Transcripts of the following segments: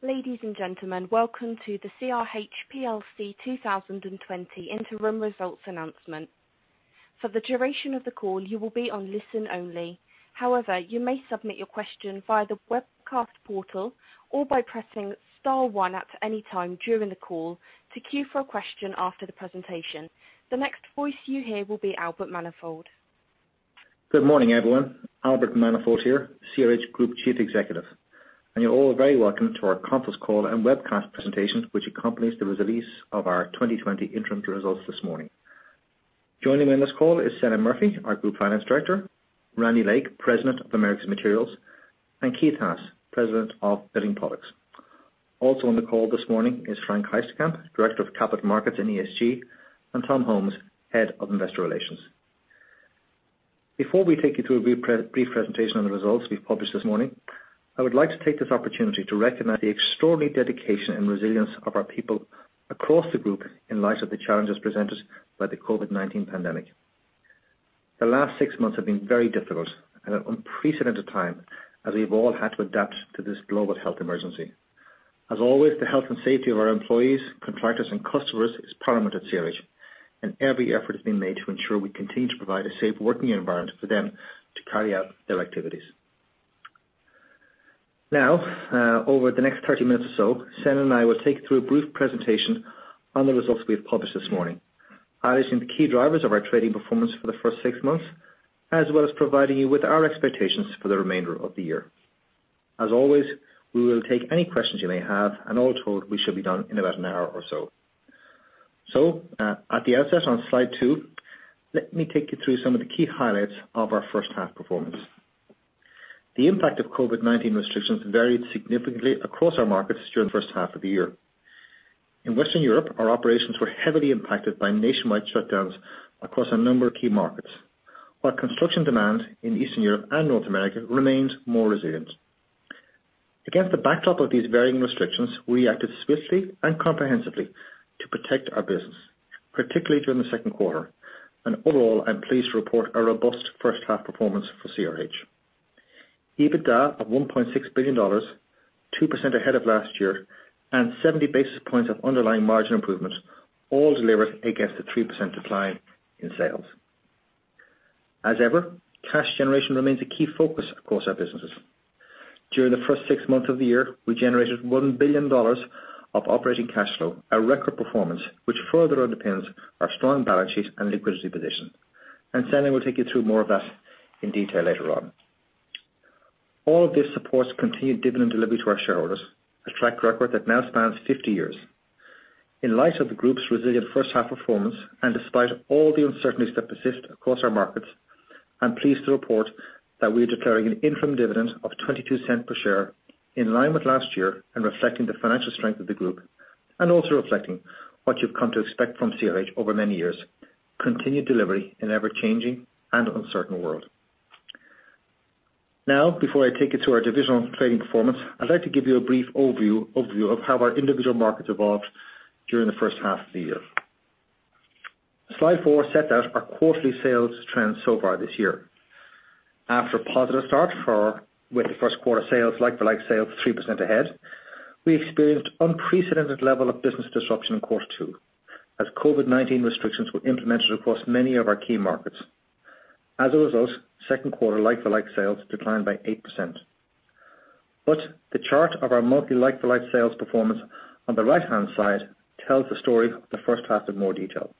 Ladies and gentlemen, welcome to the CRH plc 2020 interim results announcement. For the duration of the call, you will be on listen only. However, you may submit your question via the webcast portal or by pressing star one at any time during the call to queue for a question after the presentation. The next voice you hear will be Albert Manifold. Good morning, everyone. Albert Manifold here, CRH Group Chief Executive, and you're all very welcome to our conference call and webcast presentation, which accompanies the release of our 2020 interim results this morning. Joining me on this call is Senan Murphy, our Group Finance Director, Randy Lake, President of Americas Materials, and Keith Haas, President of Building Products. Also on the call this morning is Frank Heisterkamp, Director of Capital Markets and ESG, and Tom Holmes, Head of Investor Relations. Before we take you through a brief presentation on the results we've published this morning, I would like to take this opportunity to recognize the extraordinary dedication and resilience of our people across the group in light of the challenges presented by the COVID-19 pandemic. The last six months have been very difficult and an unprecedented time as we've all had to adapt to this global health emergency. As always, the health and safety of our employees, contractors, and customers is paramount at CRH, and every effort has been made to ensure we continue to provide a safe working environment for them to carry out their activities. Over the next 30 minutes or so, Senan and I will take you through a brief presentation on the results we've published this morning, highlighting the key drivers of our trading performance for the first six months, as well as providing you with our expectations for the remainder of the year. As always, we will take any questions you may have. All told, we should be done in about an hour or so. At the outset on slide two, let me take you through some of the key highlights of our first half performance. The impact of COVID-19 restrictions varied significantly across our markets during the first half of the year. In Western Europe, our operations were heavily impacted by nationwide shutdowns across a number of key markets, while construction demand in Eastern Europe and North America remained more resilient. Against the backdrop of these varying restrictions, we acted swiftly and comprehensively to protect our business, particularly during the second quarter. Overall, I'm pleased to report a robust first half performance for CRH. EBITDA of $1.6 billion, 2% ahead of last year, and 70 basis points of underlying margin improvements, all delivered against a 3% decline in sales. As ever, cash generation remains a key focus across our businesses. During the first six months of the year, we generated $1 billion of operating cash flow, a record performance which further underpins our strong balance sheet and liquidity position. Senan will take you through more of that in detail later on. All of this supports continued dividend delivery to our shareholders, a track record that now spans 50 years. In light of the group's resilient first half performance, and despite all the uncertainties that persist across our markets, I'm pleased to report that we are declaring an interim dividend of 0.22 per share, in line with last year and reflecting the financial strength of the group, and also reflecting what you've come to expect from CRH over many years, continued delivery in an ever-changing and uncertain world. Before I take you to our divisional trading performance, I'd like to give you a brief overview of how our individual markets evolved during the first half of the year. Slide four sets out our quarterly sales trends so far this year. After a positive start with the first quarter sales, like-for-like sales 3% ahead, we experienced unprecedented level of business disruption in quarter two as COVID-19 restrictions were implemented across many of our key markets. As a result, second quarter like-for-like sales declined by 8%. The chart of our monthly like-for-like sales performance on the right-hand side tells the story of the first half in more detail.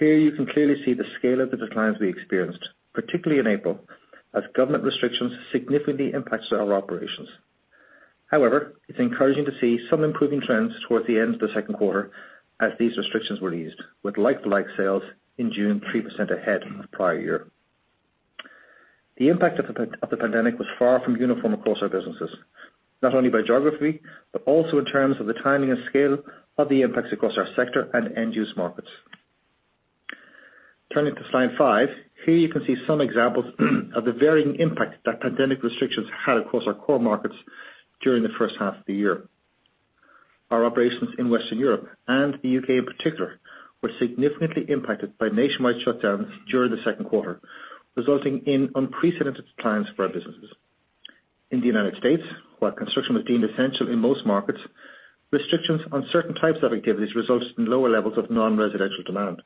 Here you can clearly see the scale of the declines we experienced, particularly in April, as government restrictions significantly impacted our operations. It's encouraging to see some improving trends towards the end of the second quarter as these restrictions were eased, with like-for-like sales in June 3% ahead of prior year. The impact of the pandemic was far from uniform across our businesses, not only by geography, but also in terms of the timing and scale of the impacts across our sector and end-use markets. Turning to slide five. Here you can see some examples of the varying impact that pandemic restrictions had across our core markets during the first half of the year. Our operations in Western Europe and the U.K. in particular, were significantly impacted by nationwide shutdowns during the second quarter, resulting in unprecedented declines for our businesses. In the United States, while construction was deemed essential in most markets, restrictions on certain types of activities resulted in lower levels of non-residential demand.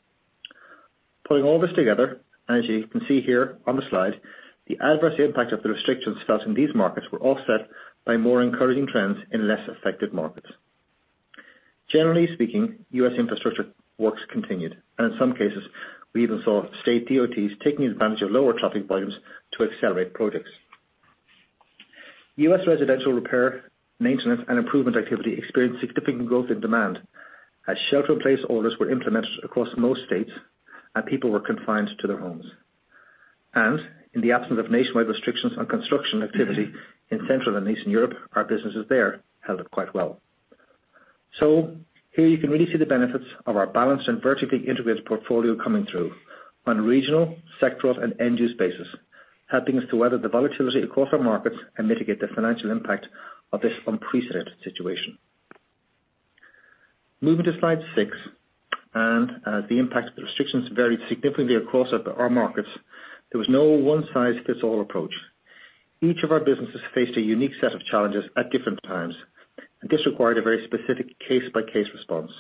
Pulling all this together, as you can see here on the slide, the adverse impact of the restrictions felt in these markets were offset by more encouraging trends in less affected markets. Generally speaking, U.S. infrastructure works continued, and in some cases, we even saw state DOTs taking advantage of lower traffic volumes to accelerate projects. U.S. residential repair, maintenance, and improvement activity experienced significant growth in demand as shelter in place orders were implemented across most states and people were confined to their homes. In the absence of nationwide restrictions on construction activity in Central and Eastern Europe, our businesses there held up quite well. Here you can really see the benefits of our balanced and vertically integrated portfolio coming through on regional, sectoral, and end-use basis, helping us to weather the volatility across our markets and mitigate the financial impact of this unprecedented situation. Moving to slide six, as the impact of the restrictions varied significantly across our markets, there was no one-size-fits-all approach. Each of our businesses faced a unique set of challenges at different times. This required a very specific case-by-case response.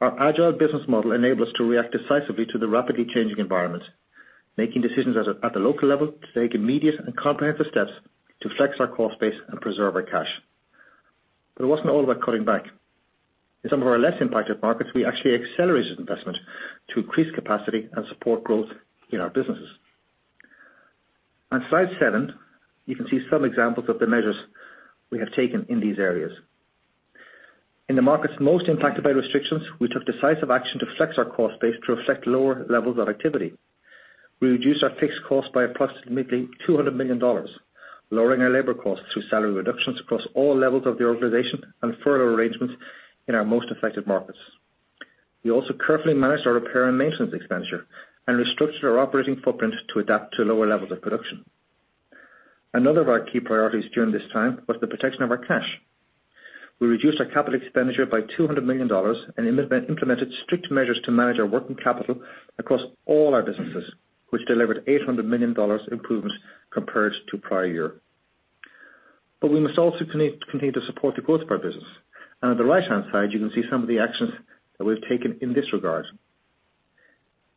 Our agile business model enabled us to react decisively to the rapidly changing environment, making decisions at the local level to take immediate and comprehensive steps to flex our cost base and preserve our cash. It wasn't all about cutting back. In some of our less impacted markets, we actually accelerated investment to increase capacity and support growth in our businesses. On slide seven, you can see some examples of the measures we have taken in these areas. In the markets most impacted by restrictions, we took decisive action to flex our cost base to reflect lower levels of activity. We reduced our fixed cost by approximately $200 million, lowering our labor costs through salary reductions across all levels of the organization and furlough arrangements in our most affected markets. We also carefully managed our repair and maintenance expenditure and restructured our operating footprint to adapt to lower levels of production. Another of our key priorities during this time was the protection of our cash. We reduced our capital expenditure by $200 million and implemented strict measures to manage our working capital across all our businesses, which delivered $800 million improvement compared to prior year. We must also continue to support the growth of our business. On the right-hand side, you can see some of the actions that we've taken in this regard.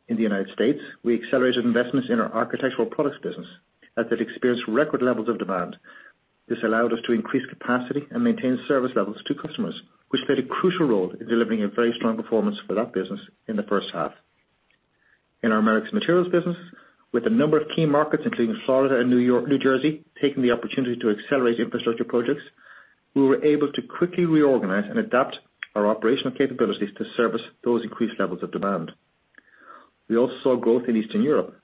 In the United States, we accelerated investments in our architectural products business as it experienced record levels of demand. This allowed us to increase capacity and maintain service levels to customers which played a crucial role in delivering a very strong performance for that business in the first half. In our Americas Materials business, with a number of key markets, including Florida and New Jersey, taking the opportunity to accelerate infrastructure projects, we were able to quickly reorganize and adapt our operational capabilities to service those increased levels of demand. We also saw growth in Eastern Europe,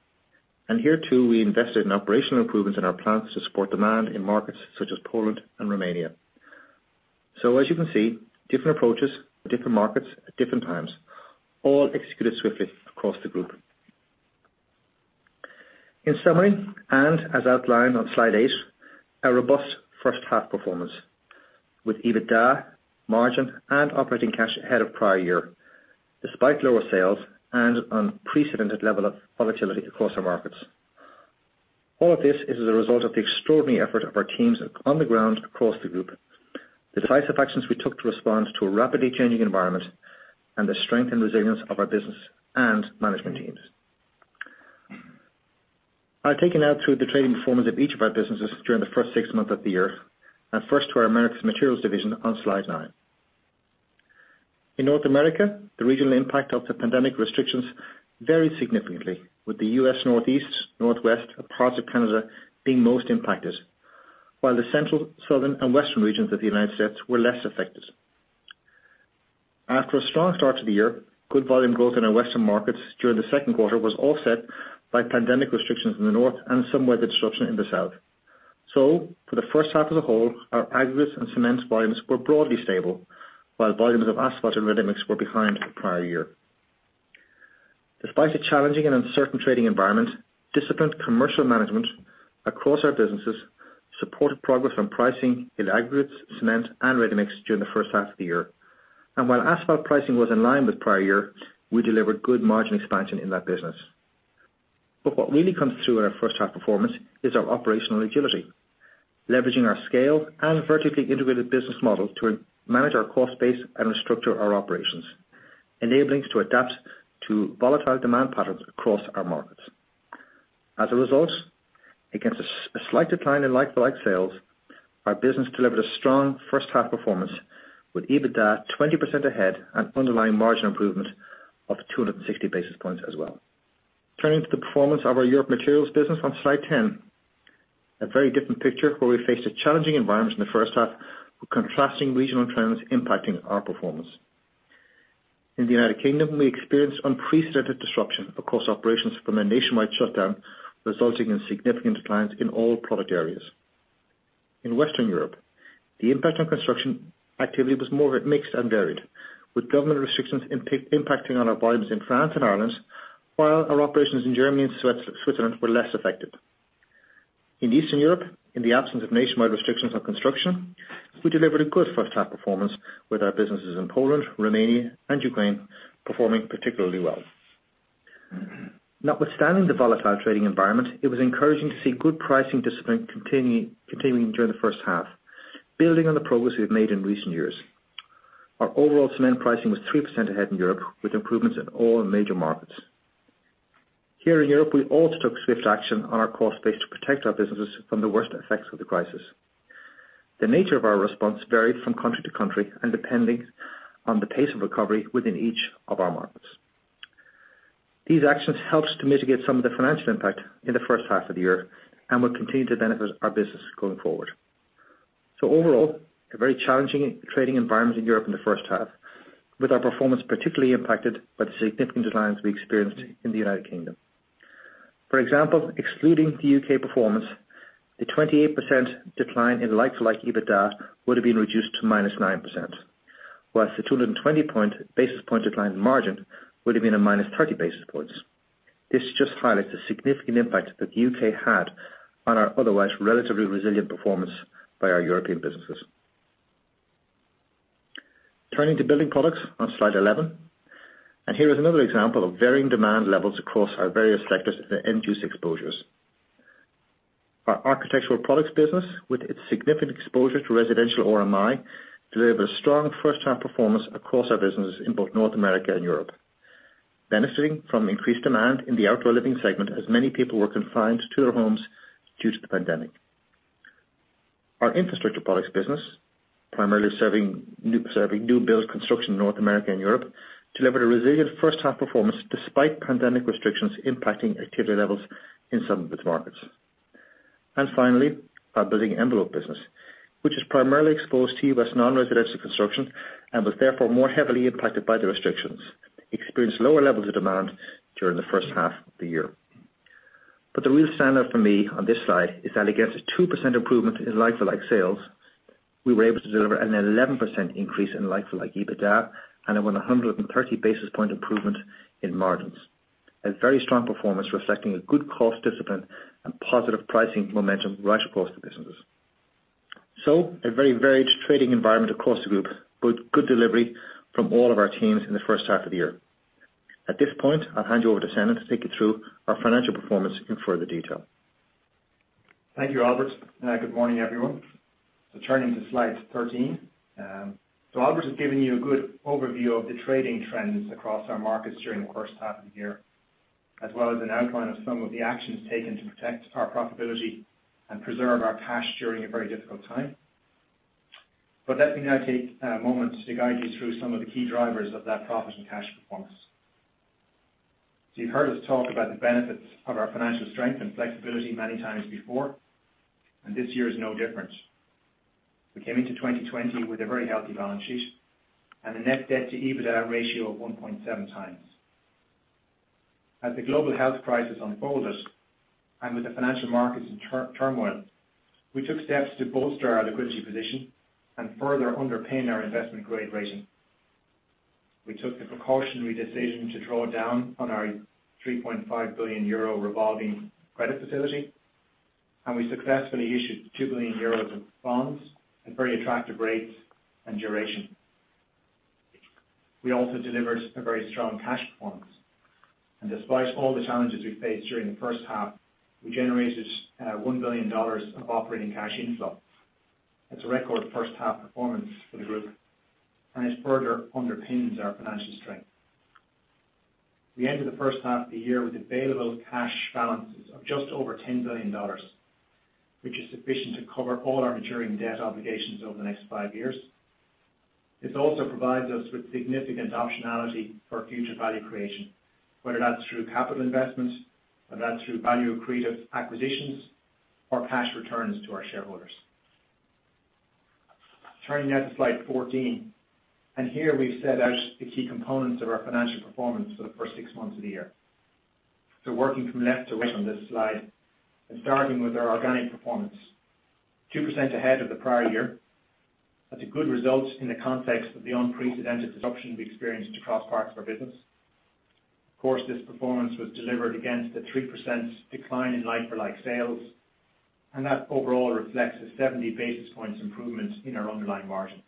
and here too, we invested in operational improvements in our plants to support demand in markets such as Poland and Romania. As you can see, different approaches for different markets at different times, all executed swiftly across the group. In summary, and as outlined on slide eight, a robust first half performance with EBITDA, margin, and operating cash ahead of prior year, despite lower sales and unprecedented level of volatility across our markets. All of this is as a result of the extraordinary effort of our teams on the ground across the group, the decisive actions we took to respond to a rapidly changing environment, and the strength and resilience of our business and management teams. I'll take you now through the trading performance of each of our businesses during the first six months of the year, and first to our Americas Materials division on slide nine. In North America, the regional impact of the pandemic restrictions varied significantly with the U.S. Northeast, Northwest, and parts of Canada being most impacted. While the Central, Southern, and Western regions of the United States were less affected. After a strong start to the year, good volume growth in our Western markets during the second quarter was offset by pandemic restrictions in the North and some weather disruption in the South. For the first half as a whole, our aggregates and cement volumes were broadly stable, while volumes of asphalt and ready-mix were behind the prior year. Despite a challenging and uncertain trading environment, disciplined commercial management across our businesses supported progress on pricing in aggregates, cement, and ready-mix during the first half of the year. While asphalt pricing was in line with prior year, we delivered good margin expansion in that business. What really comes through in our first half performance is our operational agility, leveraging our scale and vertically integrated business model to manage our cost base and restructure our operations, enabling us to adapt to volatile demand patterns across our markets. Against a slight decline in like-for-like sales, our business delivered a strong first half performance with EBITDA 20% ahead and underlying margin improvement of 260 basis points as well. Turning to the performance of our Europe Materials business on slide 10. A very different picture where we faced a challenging environment in the first half with contrasting regional trends impacting our performance. In the United Kingdom, we experienced unprecedented disruption across operations from a nationwide shutdown, resulting in significant declines in all product areas. In Western Europe, the impact on construction activity was more mixed and varied with government restrictions impacting on our volumes in France and Ireland, while our operations in Germany and Switzerland were less affected. In Eastern Europe, in the absence of nationwide restrictions on construction, we delivered a good first half performance with our businesses in Poland, Romania, and Ukraine performing particularly well. Notwithstanding the volatile trading environment, it was encouraging to see good pricing discipline continuing during the first half, building on the progress we've made in recent years. Our overall cement pricing was 3% ahead in Europe, with improvements in all major markets. Here in Europe, we also took swift action on our cost base to protect our businesses from the worst effects of the crisis. The nature of our response varied from country to country and depending on the pace of recovery within each of our markets. These actions helped to mitigate some of the financial impact in the first half of the year and will continue to benefit our business going forward. Overall, a very challenging trading environment in Europe in the first half, with our performance particularly impacted by the significant declines we experienced in the United Kingdom. For example, excluding the U.K. performance, the 28% decline in like-for-like EBITDA would have been reduced to -9%, whilst the 220 basis points decline in margin would have been a -30 basis points. This just highlights the significant impact that the U.K. had on our otherwise relatively resilient performance by our European businesses. Turning to Building Products on slide 11, here is another example of varying demand levels across our various sectors and end-use exposures. Our architectural products business, with its significant exposure to residential RMI, delivered a strong first half performance across our businesses in both North America and Europe, benefiting from increased demand in the outdoor living segment as many people were confined to their homes due to the pandemic. Our infrastructure products business, primarily serving new build construction in North America and Europe, delivered a resilient first half performance despite pandemic restrictions impacting activity levels in some of its markets. Finally, our building envelope business, which is primarily exposed to U.S. non-residential construction and was therefore more heavily impacted by the restrictions, experienced lower levels of demand during the first half of the year. The real standout for me on this slide is that against a 2% improvement in like-for-like sales, we were able to deliver an 11% increase in like-for-like EBITDA and a 130 basis point improvement in margins. A very strong performance reflecting a good cost discipline and positive pricing momentum right across the businesses. A very varied trading environment across the group but good delivery from all of our teams in the first half of the year. At this point, I'll hand you over to Senan to take you through our financial performance in further detail. Thank you, Albert. Good morning, everyone. Turning to slide 13. Albert has given you a good overview of the trading trends across our markets during the first half of the year, as well as an outline of some of the actions taken to protect our profitability and preserve our cash during a very difficult time. Let me now take a moment to guide you through some of the key drivers of that profit and cash performance. You've heard us talk about the benefits of our financial strength and flexibility many times before, and this year is no different. We came into 2020 with a very healthy balance sheet and a net debt to EBITDA ratio of 1.7 times. As the global health crisis unfolded and with the financial markets in turmoil, we took steps to bolster our liquidity position and further underpin our investment-grade rating. We took the precautionary decision to draw down on our 3.5 billion euro revolving credit facility. We successfully issued 2 billion euros of bonds at very attractive rates and duration. We also delivered a very strong cash performance. Despite all the challenges we faced during the first half, we generated $1 billion of operating cash inflow. That's a record first half performance for the group, and it further underpins our financial strength. We ended the first half of the year with available cash balances of just over $10 billion, which is sufficient to cover all our maturing debt obligations over the next five years. This also provides us with significant optionality for future value creation, whether that's through capital investments, whether that's through value-accretive acquisitions or cash returns to our shareholders. Turning now to slide 14. Here we've set out the key components of our financial performance for the first six months of the year. Working from left to right on this slide and starting with our organic performance. 2% ahead of the prior year. That's a good result in the context of the unprecedented disruption we experienced across parts of our business. Of course, this performance was delivered against a 3% decline in like-for-like sales, and that overall reflects a 70 basis points improvement in our underlying margin.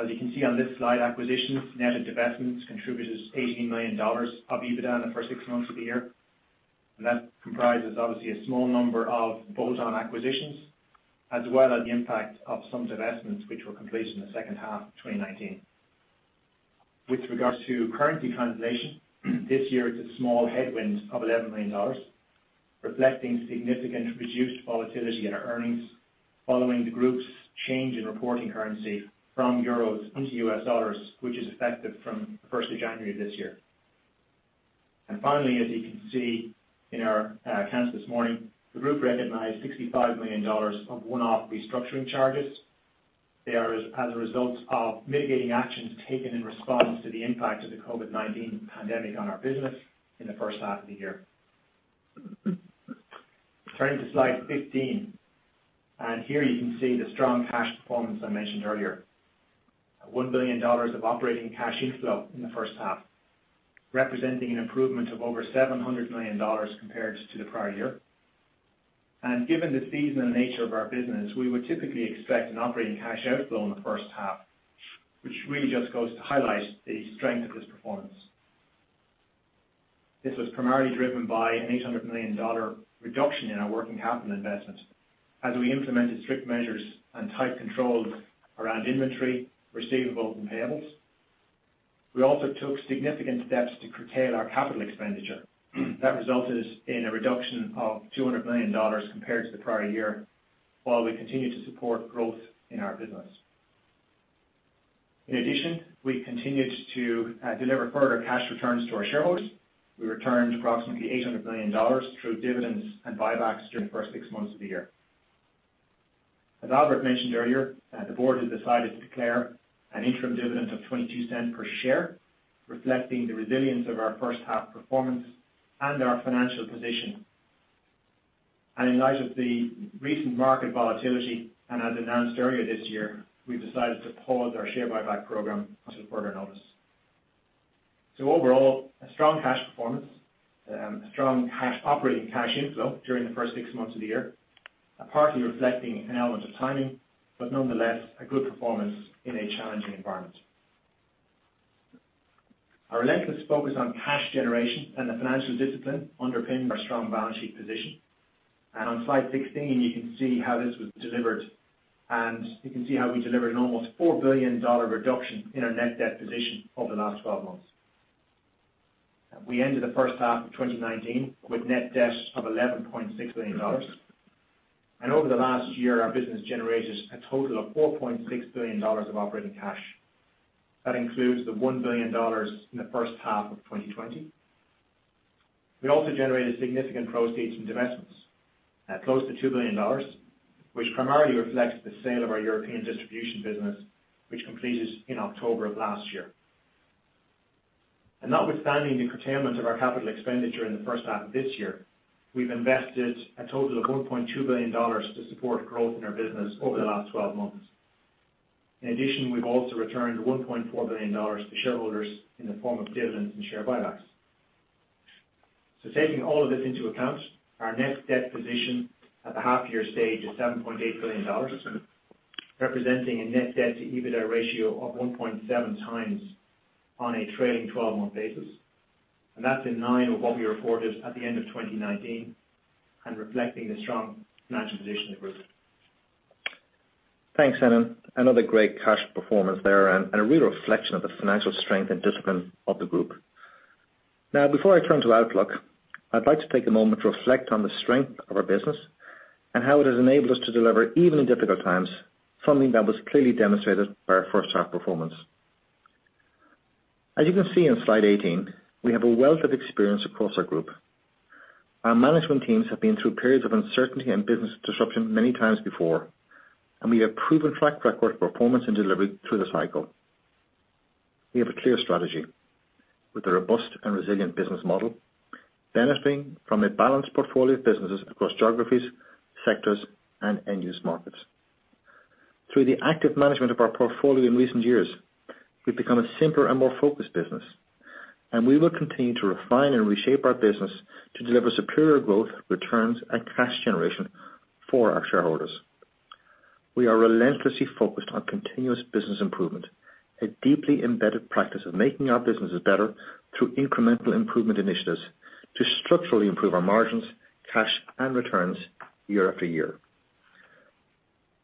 As you can see on this slide, acquisitions, net of divestments, contributed $18 million of EBITDA in the first six months of the year. That comprises obviously a small number of bolt-on acquisitions, as well as the impact of some divestments which were completed in the second half of 2019. With regards to currency translation, this year it's a small headwind of $11 million, reflecting significant reduced volatility in our earnings following the group's change in reporting currency from euros into U.S. dollars, which is effective from the 1st of January this year. Finally, as you can see in our accounts this morning, the group recognized $65 million of one-off restructuring charges. They are as a result of mitigating actions taken in response to the impact of the COVID-19 pandemic on our business in the first half of the year. Turning to slide 15. Here you can see the strong cash performance I mentioned earlier. $1 billion of operating cash inflow in the first half, representing an improvement of over $700 million compared to the prior year. Given the season and nature of our business, we would typically expect an operating cash outflow in the first half, which really just goes to highlight the strength of this performance. This was primarily driven by an $800 million reduction in our working capital investment as we implemented strict measures and tight controls around inventory, receivables, and payables. We also took significant steps to curtail our capital expenditure. That resulted in a reduction of $200 million compared to the prior year, while we continue to support growth in our business. In addition, we continued to deliver further cash returns to our shareholders. We returned approximately $800 million through dividends and buybacks during the first six months of the year. As Albert mentioned earlier, the board has decided to declare an interim dividend of 0.22 per share, reflecting the resilience of our first half performance and our financial position. In light of the recent market volatility and as announced earlier this year, we've decided to pause our share buyback program until further notice. Overall, a strong cash performance, a strong operating cash inflow during the first six months of the year, partly reflecting an element of timing, but nonetheless, a good performance in a challenging environment. Our relentless focus on cash generation and the financial discipline underpin our strong balance sheet position. On slide 16, you can see how this was delivered, and you can see how we delivered an almost EUR 4 billion reduction in our net debt position over the last 12 months. We ended the first half of 2019 with net debt of EUR 11.6 billion. Over the last year, our business generated a total of $4.6 billion of operating cash. That includes the $1 billion in the first half of 2020. We also generated significant proceeds from divestments at close to $2 billion, which primarily reflects the sale of our European distribution business, which completed in October of last year. Notwithstanding the curtailment of our capital expenditure in the first half of this year, we've invested a total of $1.2 billion to support growth in our business over the last 12 months. In addition, we've also returned $1.4 billion to shareholders in the form of dividends and share buybacks. Taking all of this into account, our net debt position at the half year stage is $7.8 billion, representing a net debt to EBITDA ratio of 1.7 times on a trailing 12-month basis. That's in line with what we reported at the end of 2019 and reflecting the strong financial position of the group. Thanks, Senan. Another great cash performance there and a real reflection of the financial strength and discipline of the group. Now, before I turn to outlook, I'd like to take a moment to reflect on the strength of our business and how it has enabled us to deliver even in difficult times, something that was clearly demonstrated by our first half performance. As you can see on slide 18, we have a wealth of experience across our group. Our management teams have been through periods of uncertainty and business disruption many times before, and we have a proven track record of performance and delivery through this cycle. We have a clear strategy with a robust and resilient business model, benefiting from a balanced portfolio of businesses across geographies, sectors, and end-use markets. Through the active management of our portfolio in recent years, we've become a simpler and more focused business, and we will continue to refine and reshape our business to deliver superior growth, returns, and cash generation for our shareholders. We are relentlessly focused on continuous business improvement, a deeply embedded practice of making our businesses better through incremental improvement initiatives to structurally improve our margins, cash, and returns year after year.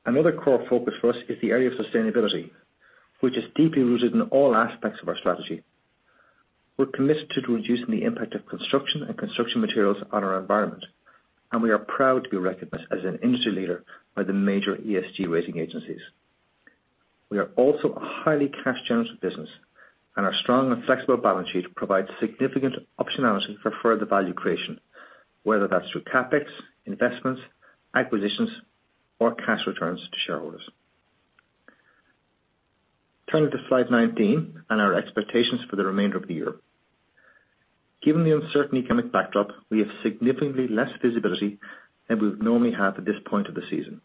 Another core focus for us is the area of sustainability, which is deeply rooted in all aspects of our strategy. We're committed to reducing the impact of construction and construction materials on our environment, and we are proud to be recognized as an industry leader by the major ESG rating agencies. We are also a highly cash-generative business, and our strong and flexible balance sheet provides significant optionality for further value creation, whether that's through CapEx, investments, acquisitions, or cash returns to shareholders. Turning to slide 19 and our expectations for the remainder of the year. Given the uncertain economic backdrop, we have significantly less visibility than we would normally have at this point of the season.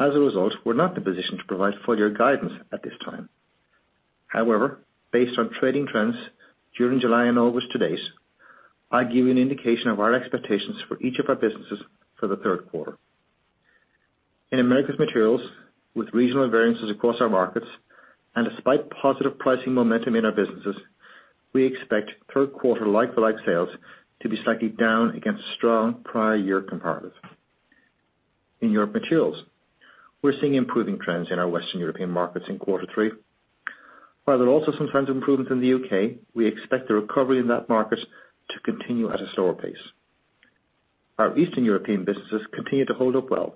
As a result, we're not in a position to provide full year guidance at this time. However, based on trading trends during July and August to date, I give you an indication of our expectations for each of our businesses for the third quarter. In Americas Materials, with regional variances across our markets and despite positive pricing momentum in our businesses, we expect third quarter like-for-like sales to be slightly down against strong prior year comparatives. In Europe Materials, we're seeing improving trends in our Western European markets in quarter three. While there are also some trends of improvement in the U.K., we expect the recovery in that market to continue at a slower pace. Our Eastern European businesses continue to hold up well,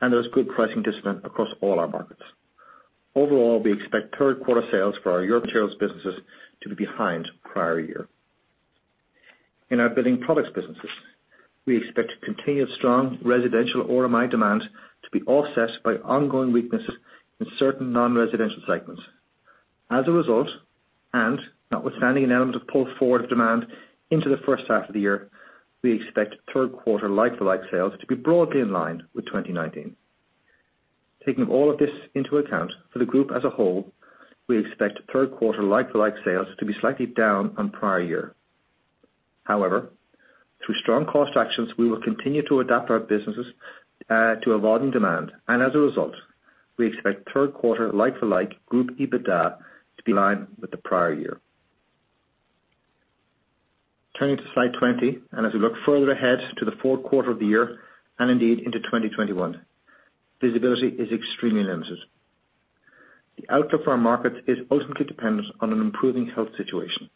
and there is good pricing discipline across all our markets. Overall, we expect third quarter sales for our Europe Materials businesses to be behind prior year. In our Building Products businesses, we expect continued strong residential order demand to be offset by ongoing weaknesses in certain non-residential segments. As a result, and notwithstanding an element of pull forward of demand into the first half of the year, we expect third quarter like-for-like sales to be broadly in line with 2019. Taking all of this into account, for the group as a whole, we expect third quarter like-for-like sales to be slightly down on prior year. However, through strong cost actions, we will continue to adapt our businesses to evolving demand, and as a result, we expect third quarter like-for-like group EBITDA to be in line with the prior year. Turning to slide 20, and as we look further ahead to the fourth quarter of the year, and indeed into 2021, visibility is extremely limited. The outlook for our markets is ultimately dependent on an improving health situation,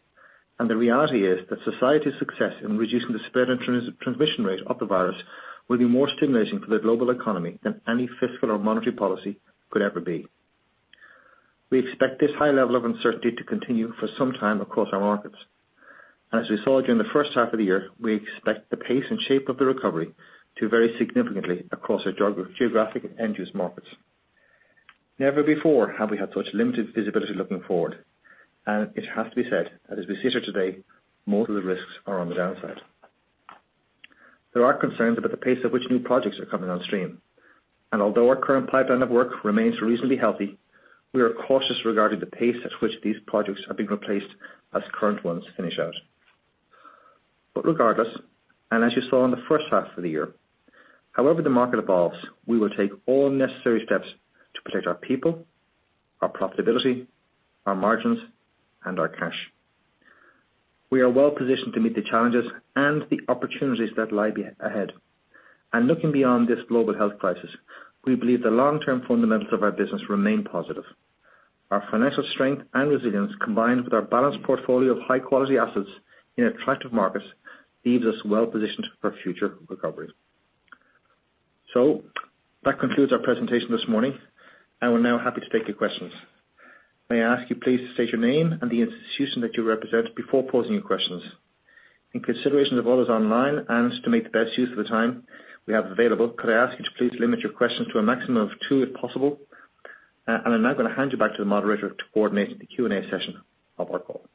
and the reality is that society's success in reducing the spread and transmission rate of the virus will be more stimulating for the global economy than any fiscal or monetary policy could ever be. We expect this high level of uncertainty to continue for some time across our markets. As we saw during the first half of the year, we expect the pace and shape of the recovery to vary significantly across our geographic and end-use markets. Never before have we had such limited visibility looking forward, and it has to be said that as we sit here today, most of the risks are on the downside. There are concerns about the pace at which new projects are coming on stream. Although our current pipeline of work remains reasonably healthy, we are cautious regarding the pace at which these projects are being replaced as current ones finish out. Regardless, and as you saw in the first half of the year, however the market evolves, we will take all necessary steps to protect our people, our profitability, our margins, and our cash. We are well-positioned to meet the challenges and the opportunities that lie ahead. Looking beyond this global health crisis, we believe the long-term fundamentals of our business remain positive. Our financial strength and resilience, combined with our balanced portfolio of high-quality assets in attractive markets, leaves us well positioned for future recovery. That concludes our presentation this morning, and we're now happy to take your questions. May I ask you please to state your name and the institution that you represent before posing your questions. In consideration of others online and to make the best use of the time we have available, could I ask you to please limit your questions to a maximum of two if possible? I'm now going to hand you back to the moderator to coordinate the Q&A session of our call.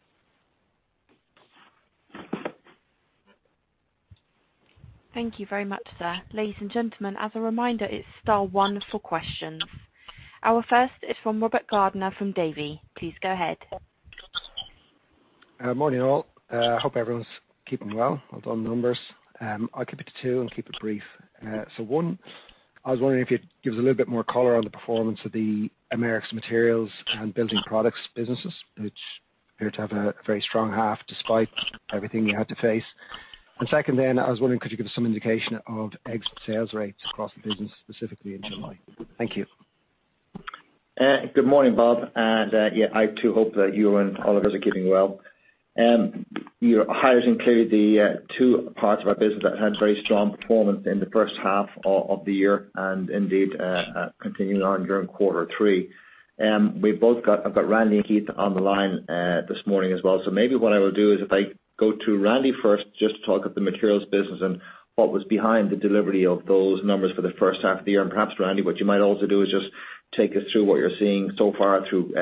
Thank you very much, sir. Ladies and gentlemen, as a reminder, it's star one for questions. Our first is from Robert Gardiner from Davy. Please go ahead. Morning, all. Hope everyone's keeping well. Well done on the numbers. I'll keep it to two and keep it brief. One, I was wondering if you'd give us a little bit more color on the performance of the Americas Materials and Building Products businesses, which appear to have a very strong half despite everything you had to face. Second, I was wondering, could you give us some indication of exit sales rates across the business, specifically in July? Thank you. Good morning, Rob. Yeah, I too hope that you and all of us are keeping well. You're highlighting clearly the two parts of our business that had very strong performance in the first half of the year, and indeed, continuing on during quarter three. I've got Randy and Keith on the line this morning as well. Maybe what I will do is if I go to Randy first, just to talk of the materials business and what was behind the delivery of those numbers for the first half of the year. Perhaps, Randy, what you might also do is just take us through what you're seeing so far through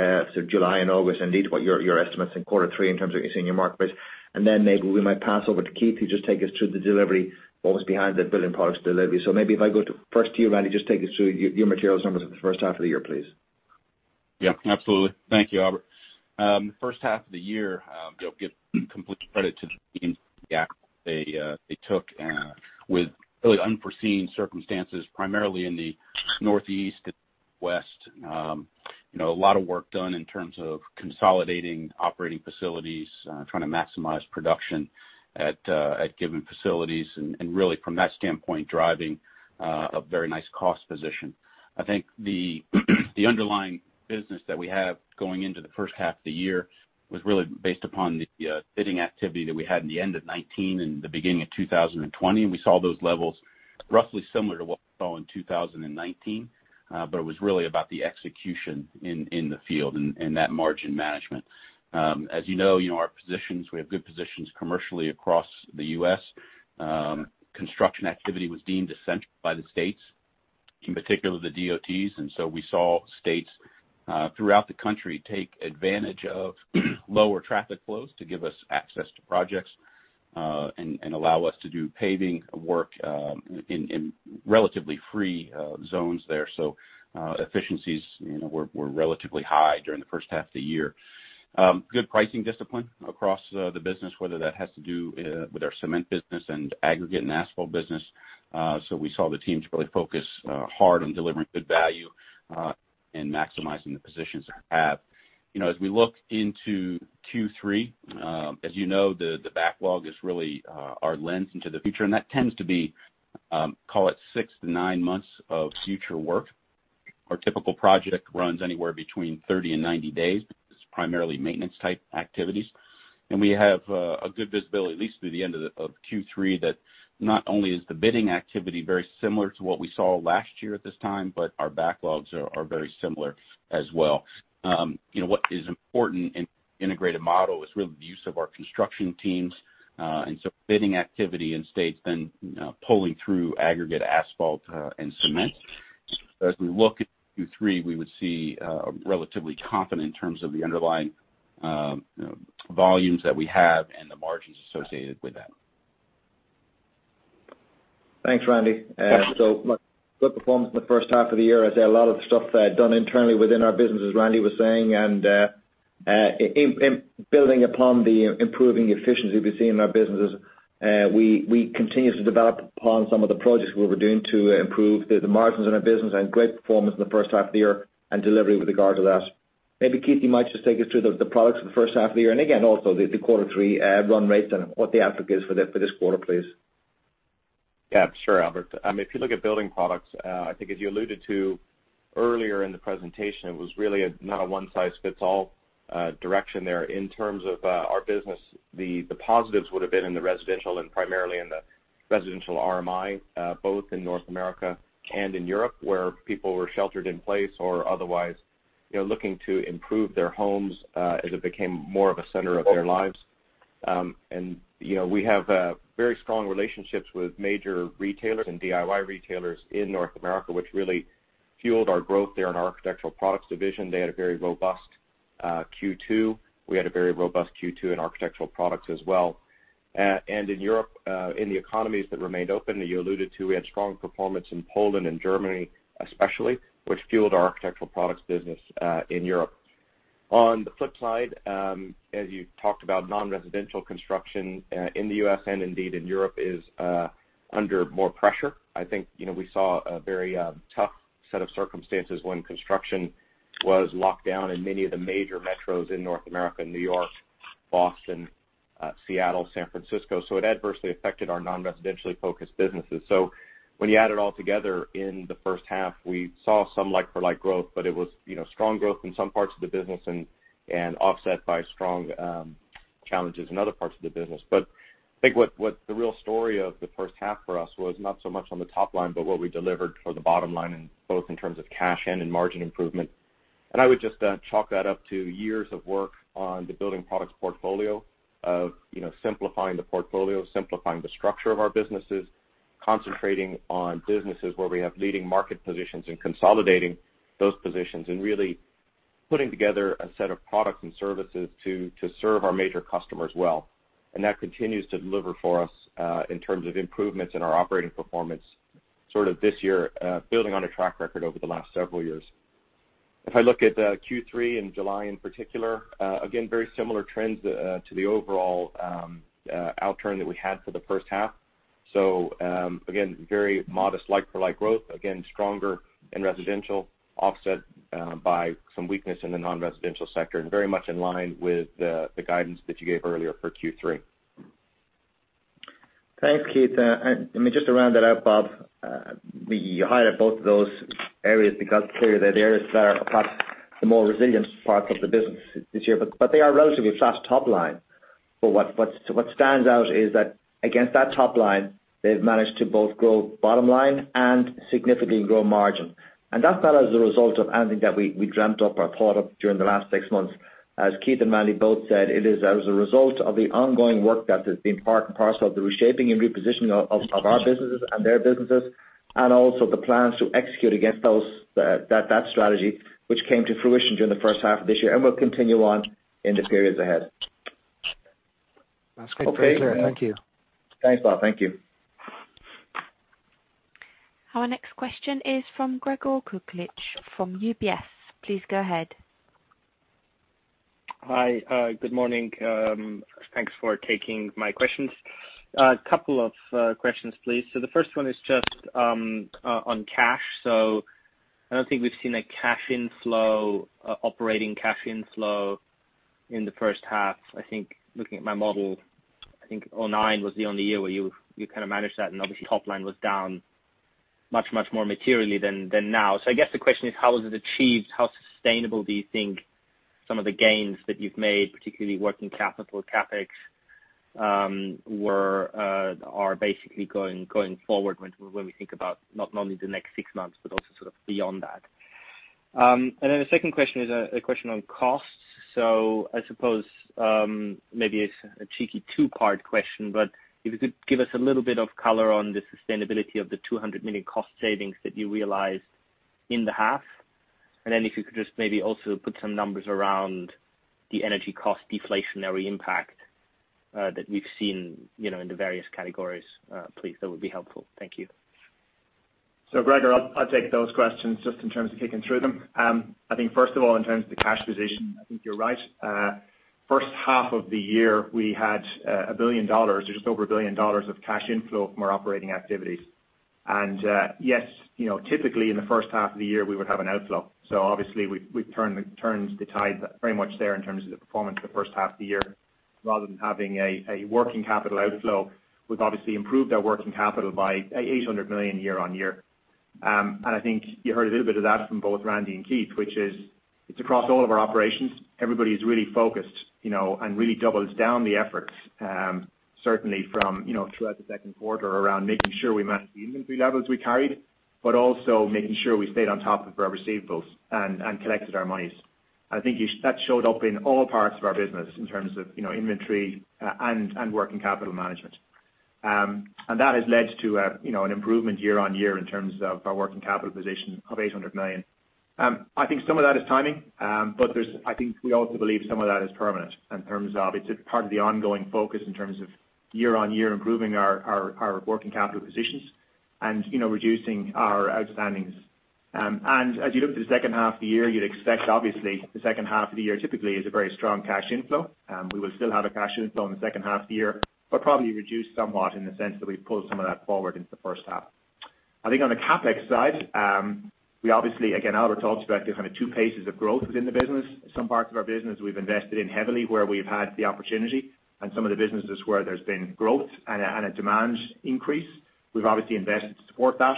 July and August, indeed, what your estimates in quarter three in terms of what you see in your marketplace. Maybe we might pass over to Keith, who just take us through the delivery, what was behind that Building Products delivery. Maybe if I go to first to you, Randy, just take us through your materials numbers for the first half of the year, please. Absolutely. Thank you, Albert. First half of the year, give complete credit to the teams and the action they took with really unforeseen circumstances, primarily in the Northeast and West. A lot of work done in terms of consolidating operating facilities, trying to maximize production at given facilities, and really from that standpoint, driving a very nice cost position. I think the underlying business that we have going into the first half of the year was really based upon the bidding activity that we had in the end of 2019 and the beginning of 2020, we saw those levels roughly similar to what we saw in 2019. It was really about the execution in the field and that margin management. As you know, our positions, we have good positions commercially across the U.S. Construction activity was deemed essential by the states, in particular the DOTs, and so we saw states throughout the country take advantage of lower traffic flows to give us access to projects, and allow us to do paving work in relatively free zones there. Efficiencies were relatively high during the first half of the year. Good pricing discipline across the business, whether that has to do with our cement business and aggregate and asphalt business. We saw the teams really focus hard on delivering good value, and maximizing the positions they have. As we look into Q3, as you know, the backlog is really our lens into the future, and that tends to be, call it six to nine months of future work. Our typical project runs anywhere between 30 and 90 days. It's primarily maintenance type activities. We have good visibility, at least through the end of Q3, that not only is the bidding activity very similar to what we saw last year at this time, but our backlogs are very similar as well. What is important in integrated model is really the use of our construction teams, bidding activity in states then pulling through aggregate asphalt and cement. As we look at Q3, we would see relatively confident in terms of the underlying volumes that we have and the margins associated with them. Thanks, Randy. Good performance in the first half of the year. As a lot of the stuff done internally within our business, as Randy was saying, and I think building upon the improving efficiency we've been seeing in our businesses. We continue to develop upon some of the projects we were doing to improve the margins in our business and great performance in the first half of the year and delivery with regards to that. Maybe Keith, you might just take us through the products for the first half of the year and again, also the quarter three run rates and what the outlook is for this quarter, please. Yeah, sure. Albert. If you look at Building Products, I think as you alluded to earlier in the presentation, it was really not a one size fits all direction there. In terms of our business, the positives would have been in the residential and primarily in the residential RMI, both in North America and in Europe, where people were sheltered in place or otherwise looking to improve their homes as it became more of a center of their lives. We have very strong relationships with major retailers and DIY retailers in North America, which really fueled our growth there in our Architectural Products Division. They had a very robust Q2. We had a very robust Q2 in Architectural Products as well. In Europe, in the economies that remained open that you alluded to, we had strong performance in Poland and Germany especially, which fueled our Architectural Products business, in Europe. On the flip side, as you talked about non-residential construction in the U.S. and indeed in Europe is under more pressure. I think we saw a very tough set of circumstances when construction was locked down in many of the major metros in North America, New York, Boston, Seattle, San Francisco. It adversely affected our non-residentially focused businesses. When you add it all together in the first half, we saw some like-for-like growth, but it was strong growth in some parts of the business and offset by strong challenges in other parts of the business. I think what the real story of the first half for us was not so much on the top line, but what we delivered for the bottom line in both in terms of cash and in margin improvement. I would just chalk that up to years of work on the Building Products portfolio of simplifying the portfolio, simplifying the structure of our businesses, concentrating on businesses where we have leading market positions, and consolidating those positions, and really putting together a set of products and services to serve our major customers well. That continues to deliver for us, in terms of improvements in our operating performance sort of this year, building on a track record over the last several years. If I look at Q3 in July in particular, again, very similar trends to the overall outturn that we had for the first half. Again, very modest like-for-like growth, again, stronger in residential offset by some weakness in the non-residential sector and very much in line with the guidance that you gave earlier for Q3. Thanks, Keith. Let me just round that out, Rob. You highlighted both of those areas because clearly they're the areas that are perhaps the more resilient parts of the business this year. They are relatively flat top line. What stands out is that against that top line, they've managed to both grow bottom line and significantly grow margin. That's not as a result of anything that we dreamt up or thought of during the last six months. As Keith and Randy both said, it is as a result of the ongoing work that has been part and parcel of the reshaping and repositioning of our businesses and their businesses, and also the plans to execute against that strategy, which came to fruition during the first half of this year and will continue on in the periods ahead. That's great. Very clear. Thank you. Thanks, Rob. Thank you. Our next question is from Gregor Kuglitsch from UBS. Please go ahead. Hi. Good morning. Thanks for taking my questions. A couple of questions, please. The first one is just on cash. I don't think we've seen a cash inflow, operating cash inflow in the first half. I think looking at my model, I think 2009 was the only year where you kind of managed that, and obviously top line was down much, much more materially than now. I guess the question is, how was it achieved? How sustainable do you think some of the gains that you've made, particularly working capital, CapEx, are basically going forward when we think about not only the next six months, but also sort of beyond that? The second question is a question on costs. I suppose, maybe it's a cheeky two-part question, but if you could give us a little bit of color on the sustainability of the 200 million cost savings that you realized in the half. If you could just maybe also put some numbers around the energy cost deflationary impact, that we've seen in the various categories, please. That would be helpful. Thank you. Gregor, I'll take those questions just in terms of kicking through them. I think first of all, in terms of the cash position, I think you're right. First half of the year, we had $1 billion or just over $1 billion of cash inflow from our operating activities. Yes, typically in the first half of the year, we would have an outflow. Obviously we've turned the tide very much there in terms of the performance the first half of the year. Rather than having a working capital outflow, we've obviously improved our working capital by $800 million year-on-year. I think you heard a little bit of that from both Randy and Keith, which is it's across all of our operations. Everybody's really focused and really doubled down the efforts, certainly from throughout the second quarter around making sure we managed the inventory levels we carried but also making sure we stayed on top of our receivables and collected our monies. I think that showed up in all parts of our business in terms of inventory and working capital management. That has led to an improvement year on year in terms of our working capital position of 800 million. I think some of that is timing, but I think we also believe some of that is permanent in terms of it's a part of the ongoing focus in terms of year on year improving our working capital positions and reducing our outstandings. As you look to the second half of the year, you'd expect obviously the second half of the year typically is a very strong cash inflow. We will still have a cash inflow in the second half of the year, but probably reduced somewhat in the sense that we've pulled some of that forward into the first half. I think on the CapEx side, we obviously, again, Albert talked about the kind of two paces of growth within the business. Some parts of our business we've invested in heavily where we've had the opportunity and some of the businesses where there's been growth and a demand increase. We've obviously invested to support that.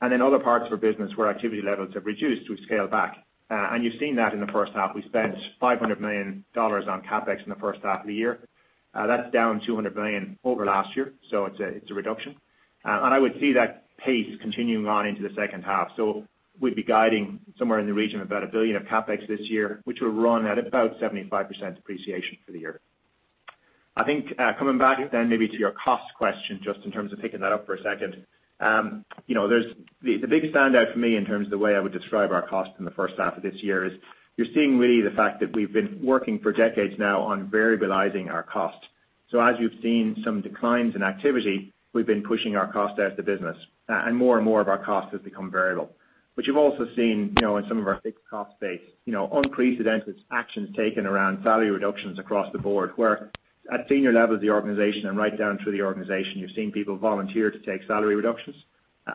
Other parts of our business where activity levels have reduced, we've scaled back. You've seen that in the first half. We spent $500 million on CapEx in the first half of the year. That's down $200 million over last year, so it's a reduction. I would see that pace continuing on into the second half. We'd be guiding somewhere in the region of about 1 billion of CapEx this year, which will run at about 75% appreciation for the year. I think coming back then maybe to your cost question, just in terms of picking that up for a second. The biggest standout for me in terms of the way I would describe our cost in the first half of this year is you're seeing really the fact that we've been working for decades now on variabilizing our cost. As you've seen some declines in activity, we've been pushing our cost out of the business, and more and more of our cost has become variable. You've also seen, in some of our big cost base, unprecedented actions taken around salary reductions across the board, where at senior levels of the organization and right down through the organization, you've seen people volunteer to take salary reductions.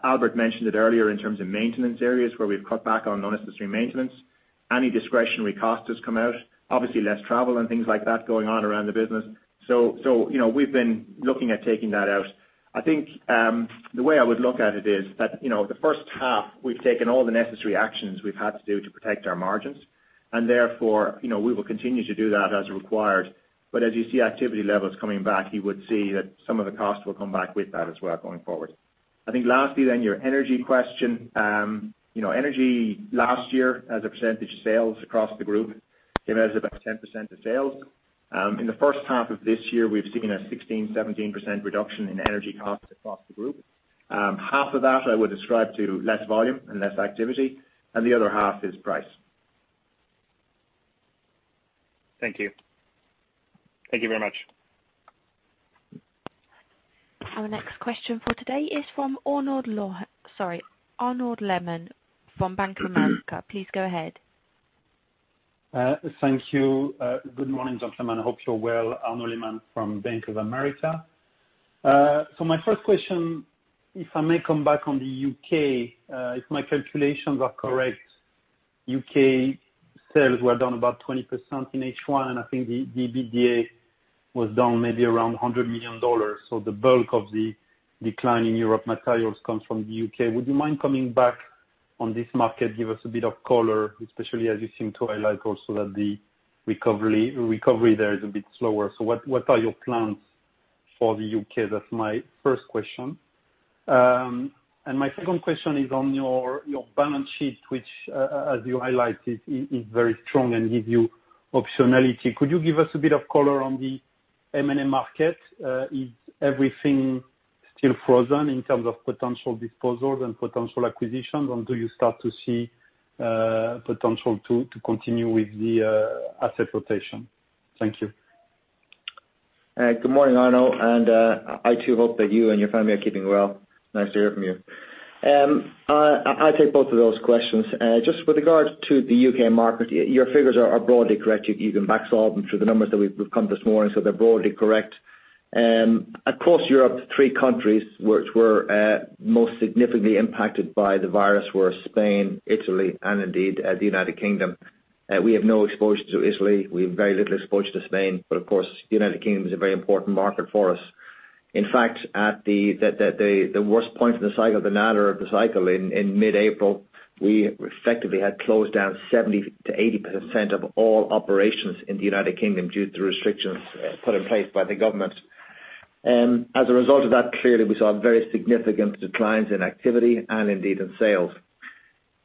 Albert mentioned it earlier in terms of maintenance areas where we've cut back on unnecessary maintenance. Any discretionary cost has come out, obviously less travel and things like that going on around the business. We've been looking at taking that out. I think, the way I would look at it is that, the first half we've taken all the necessary actions we've had to do to protect our margins, and therefore, we will continue to do that as required. As you see activity levels coming back, you would see that some of the cost will come back with that as well going forward. I think lastly, your energy question. Energy last year as a percentage of sales across the group came out about 10% of sales. In the first half of this year, we've seen a 16% to 17% reduction in energy costs across the group. Half of that I would ascribe to less volume and less activity, and the other half is price. Thank you. Thank you very much. Our next question for today is from Arnaud Lehmann, from Bank of America. Please go ahead. Thank you. Good morning, gentlemen. Hope you're well. Arnaud Lehmann from Bank of America. My first question, if I may come back on the U.K. If my calculations are correct, U.K. sales were down about 20% in H1. I think the EBITDA was down maybe around EUR 100 million. The bulk of the decline in Europe Materials comes from the U.K. Would you mind coming back on this market? Give us a bit of color, especially as you seem to highlight also that the recovery there is a bit slower. What are your plans for the U.K.? That's my first question. My second question is on your balance sheet, which as you highlighted, is very strong and give you optionality. Could you give us a bit of color on the M&A market? Is everything still frozen in terms of potential disposals and potential acquisitions, or do you start to see potential to continue with the asset rotation? Thank you. Good morning, Arnaud. I too hope that you and your family are keeping well. Nice to hear from you. I'll take both of those questions. Just with regards to the U.K. market, your figures are broadly correct. You can back solve them through the numbers that we've covered this morning. They're broadly correct. Across Europe, three countries which were most significantly impacted by the virus were Spain, Italy and indeed the United Kingdom. We have no exposure to Italy. We have very little exposure to Spain. Of course, the United Kingdom is a very important market for us. In fact, at the worst point in the cycle, the nadir of the cycle in mid-April, we effectively had closed down 70% to 80% of all operations in the United Kingdom due to restrictions put in place by the government. As a result of that, clearly we saw very significant declines in activity and indeed in sales.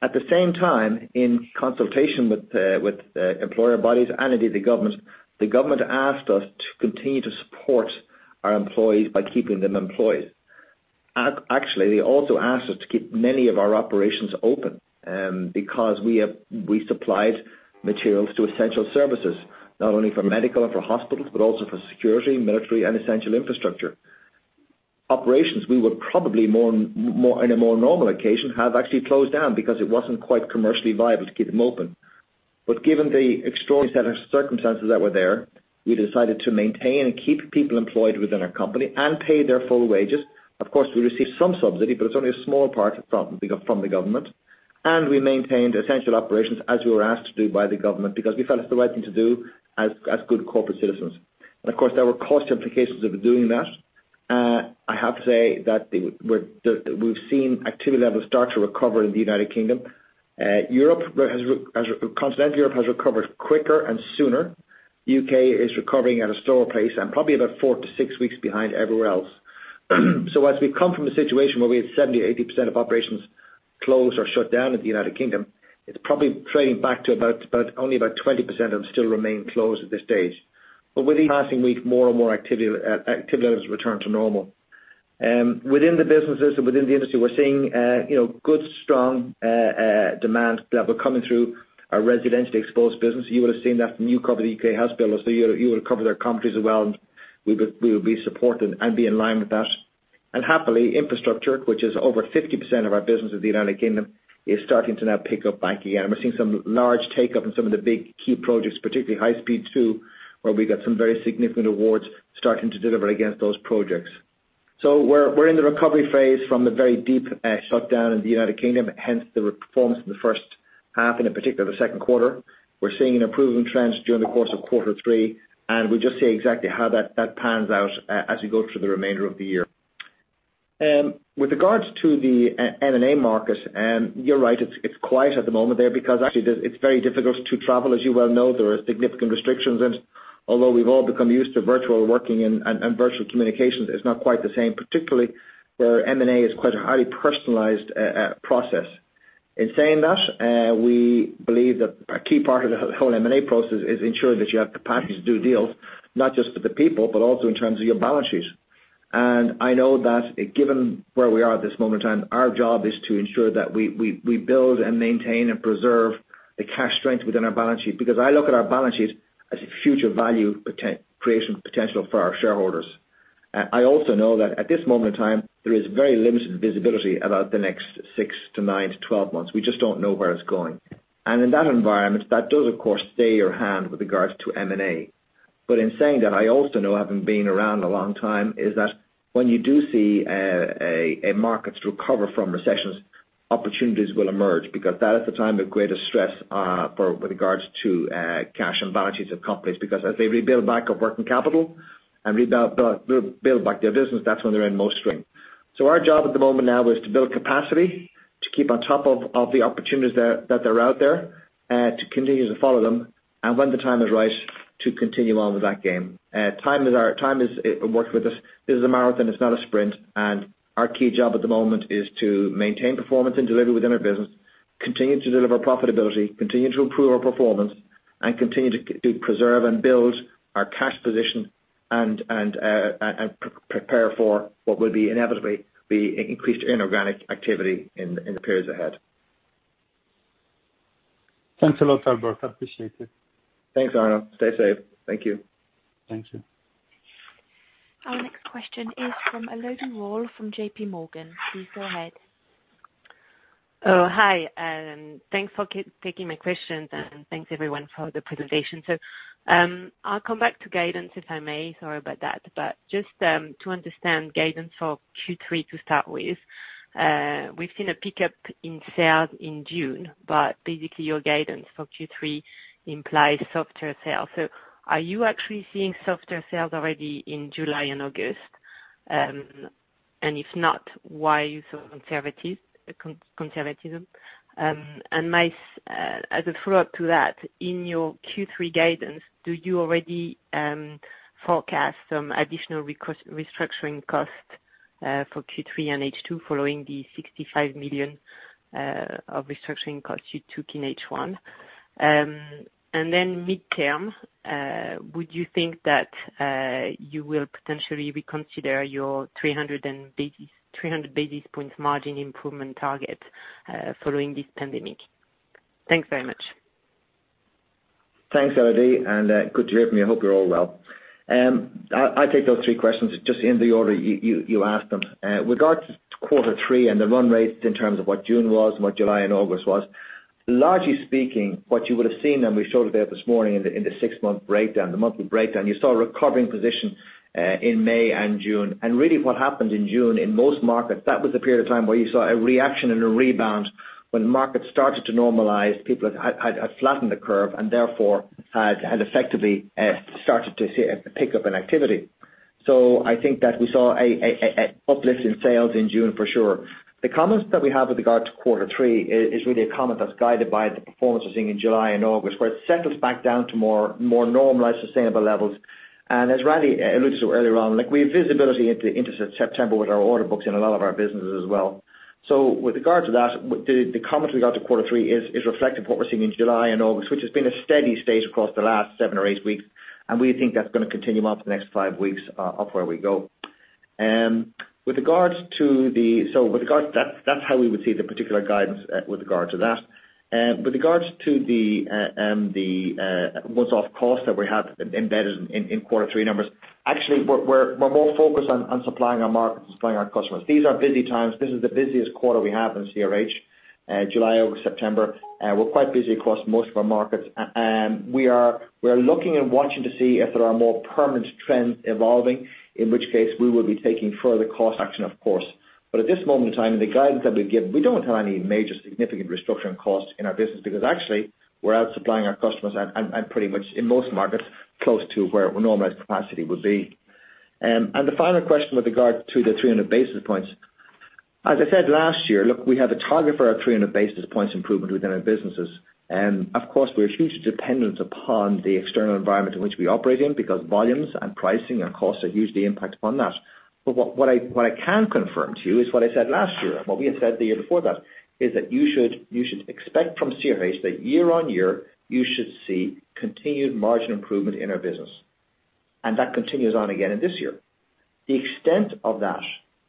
At the same time, in consultation with employer bodies and indeed the government, the government asked us to continue to support our employees by keeping them employed. Actually, they also asked us to keep many of our operations open because we supplied materials to essential services, not only for medical and for hospitals, but also for security, military, and essential infrastructure. Operations we would probably in a more normal occasion have actually closed down because it wasn't quite commercially viable to keep them open. Given the extraordinary set of circumstances that were there, we decided to maintain and keep people employed within our company and pay their full wages. Of course, we received some subsidy, but it's only a small part from the government, and we maintained essential operations as we were asked to do by the government because we felt it's the right thing to do as good corporate citizens. Of course, there were cost implications of doing that. I have to say that we've seen activity levels start to recover in the United Kingdom. Continental Europe has recovered quicker and sooner. U.K., is recovering at a slower pace and probably about four to six weeks behind everywhere else. As we've come from a situation where we had 70% or 80% of operations closed or shut down in the United Kingdom, it's probably trading back to about only about 20% of them still remain closed at this stage. With each passing week, more and more activity levels return to normal. Within the businesses and within the industry, we're seeing good strong demand level coming through our residentially exposed business. You would have seen that from you cover the U.K. house builders, you will cover their companies as well. We will be supported and be in line with that. Happily, infrastructure, which is over 50% of our business in the United Kingdom, is starting to now pick up back again. We're seeing some large take-up in some of the big key projects, particularly High Speed 2, where we got some very significant awards starting to deliver against those projects. We're in the recovery phase from the very deep shutdown in the United Kingdom, hence the performance in the first half and in particular the second quarter. We're seeing an improvement in trends during the course of quarter three, and we just see exactly how that pans out as we go through the remainder of the year. With regards to the M&A market, you're right, it's quiet at the moment there because actually it's very difficult to travel, as you well know. There are significant restrictions and- Although we've all become used to virtual working and virtual communications, it's not quite the same, particularly where M&A is quite a highly personalized process. In saying that, we believe that a key part of the whole M&A process is ensuring that you have capacity to do deals, not just for the people, but also in terms of your balance sheets. I know that given where we are at this moment in time, our job is to ensure that we build and maintain and preserve the cash strength within our balance sheet because I look at our balance sheet as a future value creation potential for our shareholders. I also know that at this moment in time, there is very limited visibility about the next six to nine to 12 months. We just don't know where it's going. In that environment, that does, of course, stay your hand with regards to M&A. In saying that, I also know, having been around a long time, is that when you do see markets recover from recessions, opportunities will emerge because that is the time of greatest stress with regards to cash and balance sheets of companies, because as they rebuild back up working capital and rebuild back their business, that's when they're in most strength. Our job at the moment now is to build capacity, to keep on top of the opportunities that are out there, to continue to follow them, and when the time is right, to continue on with that game. Time has worked with us. This is a marathon, it's not a sprint. Our key job at the moment is to maintain performance and delivery within our business, continue to deliver profitability, continue to improve our performance, and continue to preserve and build our cash position and prepare for what will inevitably be increased inorganic activity in the periods ahead. Thanks a lot, Albert. I appreciate it. Thanks, Arnaud. Stay safe. Thank you. Thank you. Our next question is from Elodie Rall from JPMorgan. Please go ahead. Oh, hi, and thanks for taking my questions, and thanks, everyone, for the presentation. I'll come back to guidance if I may. Sorry about that. Just to understand guidance for Q3 to start with. We've seen a pickup in sales in June, but basically your guidance for Q3 implies softer sales. Are you actually seeing softer sales already in July and August? If not, why the conservatism? As a follow-up to that, in your Q3 guidance, do you already forecast some additional restructuring costs for Q3 and H2 following the 65 million of restructuring costs you took in H1? Then midterm, would you think that you will potentially reconsider your 300 basis points margin improvement target following this pandemic? Thanks very much. Thanks, Elodie, and good to hear from you. Hope you're all well. I take those three questions just in the order you asked them. With regards to quarter three and the run rates in terms of what June was and what July and August was, largely speaking, what you would have seen, and we showed it there this morning in the six-month breakdown, the monthly breakdown, you saw a recovering position in May and June. Really what happened in June in most markets, that was the period of time where you saw a reaction and a rebound when markets started to normalize. People had flattened the curve and therefore had effectively started to see a pickup in activity. I think that we saw an uplift in sales in June for sure. The comments that we have with regard to quarter three is really a comment that's guided by the performance we're seeing in July and August, where it settles back down to more normalized, sustainable levels. As Randy alluded to earlier on, we have visibility into September with our order books in a lot of our businesses as well. With regards to that, the comment with regard to quarter three is reflecting what we're seeing in July and August, which has been a steady state across the last seven or eight weeks, and we think that's going to continue on for the next five weeks up where we go. That's how we would see the particular guidance with regard to that. With regards to the once-off cost that we have embedded in quarter three numbers, actually, we're more focused on supplying our market, supplying our customers. These are busy times. This is the busiest quarter we have in CRH, July, August, September. We're quite busy across most of our markets. We are looking and watching to see if there are more permanent trends evolving, in which case we will be taking further cost action, of course. At this moment in time, and the guidance that we give, we don't have any major significant restructuring costs in our business because actually, we're out supplying our customers and pretty much in most markets close to where normalized capacity would be. The final question with regard to the 300 basis points. As I said last year, look, we have a target for our 300 basis points improvement within our businesses. Of course, we are hugely dependent upon the external environment in which we operate in because volumes and pricing and costs are hugely impact upon that. What I can confirm to you is what I said last year, and what we had said the year before that, is that you should expect from CRH that year on year, you should see continued margin improvement in our business. That continues on again in this year. The extent of that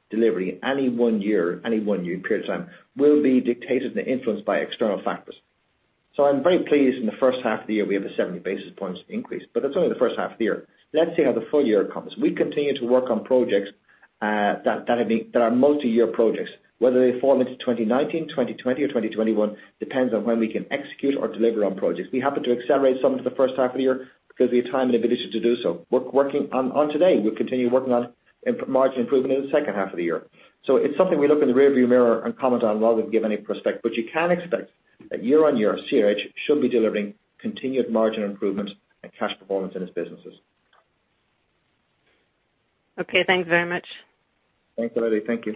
delivery any one year in a period of time will be dictated and influenced by external factors. I'm very pleased in the first half of the year we have a 70 basis points increase, but that's only the first half of the year. Let's see how the full year comes. We continue to work on projects that are multiyear projects. Whether they fall into 2019, 2020 or 2021 depends on when we can execute or deliver on projects. We happen to accelerate some for the first half of the year because we had time and ability to do so. We're working on today. We'll continue working on margin improvement in the second half of the year. It's something we look in the rearview mirror and comment on rather than give any prospect. You can expect that year on year, CRH should be delivering continued margin improvement and cash performance in its businesses. Okay, thanks very much. Thanks, Elodie. Thank you.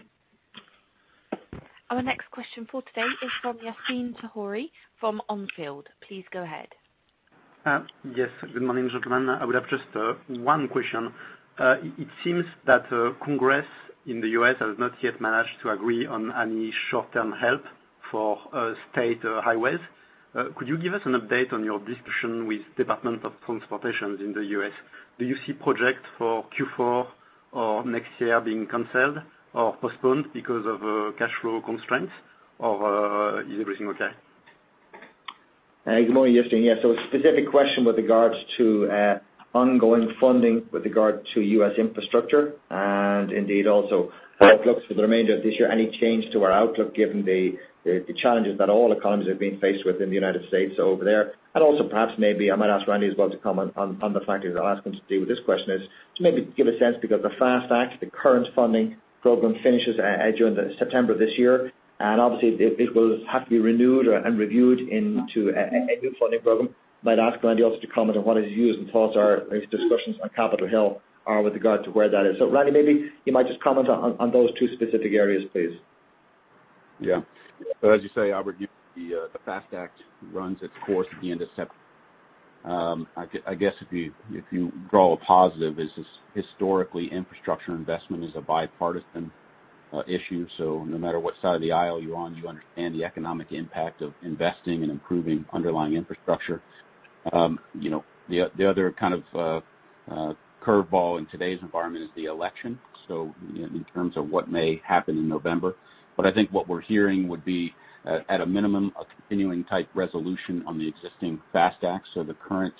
Our next question for today is from Yassine Touahri from Exane. Please go ahead. Yes. Good morning, gentlemen. I would have just one question. It seems that Congress in the U.S. has not yet managed to agree on any short-term help for state highways. Could you give us an update on your discussion with Departments of Transportation in the U.S.? Do you see project for Q4 or next year being canceled or postponed because of cash flow constraints, or is everything okay? Good morning, Yassine. A specific question with regards to ongoing funding with regard to U.S. infrastructure, indeed also outlook for the remainder of this year, any change to our outlook given the challenges that all economies have been faced with in the United States over there. Also perhaps, maybe I might ask Randy as well to comment on the fact that I'll ask him to deal with this question is, to maybe give a sense because the FAST Act, the current funding program finishes during September of this year, obviously it will have to be renewed and reviewed into a new funding program. Might ask Randy also to comment on what his views and thoughts are as discussions on Capitol Hill are with regard to where that is. Randy, maybe you might just comment on those two specific areas, please. Yeah, as you say, Albert, the FAST Act runs its course at the end of September. I guess if you draw a positive is just historically, infrastructure investment is a bipartisan issue. No matter what side of the aisle you're on, you understand the economic impact of investing and improving underlying infrastructure. The other kind of curve ball in today's environment is the election, so in terms of what may happen in November. I think what we're hearing would be, at a minimum, a continuing type resolution on the existing FAST Act. The current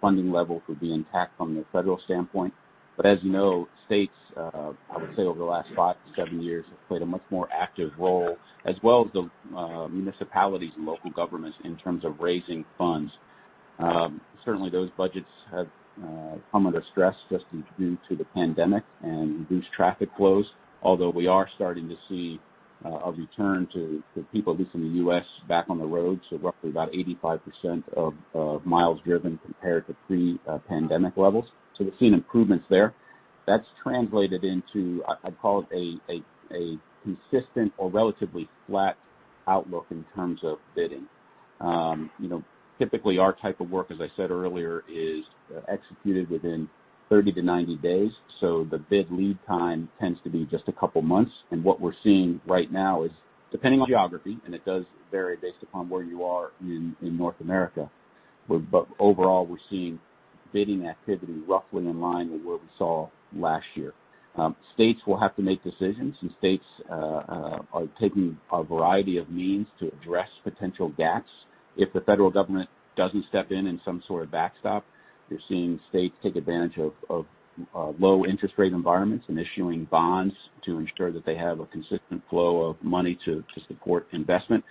funding level would be intact from the federal standpoint. As you know, states, I would say over the last five to seven years, have played a much more active role, as well as the municipalities and local governments in terms of raising funds. Certainly, those budgets have come under stress just due to the pandemic and reduced traffic flows. We are starting to see a return to people, at least in the U.S., back on the road, so roughly about 85% of miles driven compared to pre-pandemic levels. We've seen improvements there. That's translated into, I'd call it, a consistent or relatively flat outlook in terms of bidding. Typically, our type of work, as I said earlier, is executed within 30 to 90 days. The bid lead time tends to be just a couple of months. What we're seeing right now is, depending on geography, and it does vary based upon where you are in North America, but overall, we're seeing bidding activity roughly in line with what we saw last year. States will have to make decisions, and states are taking a variety of means to address potential gaps. If the federal government doesn't step in in some sort of backstop, you're seeing states take advantage of low interest rate environments and issuing bonds to ensure that they have a consistent flow of money to support investment.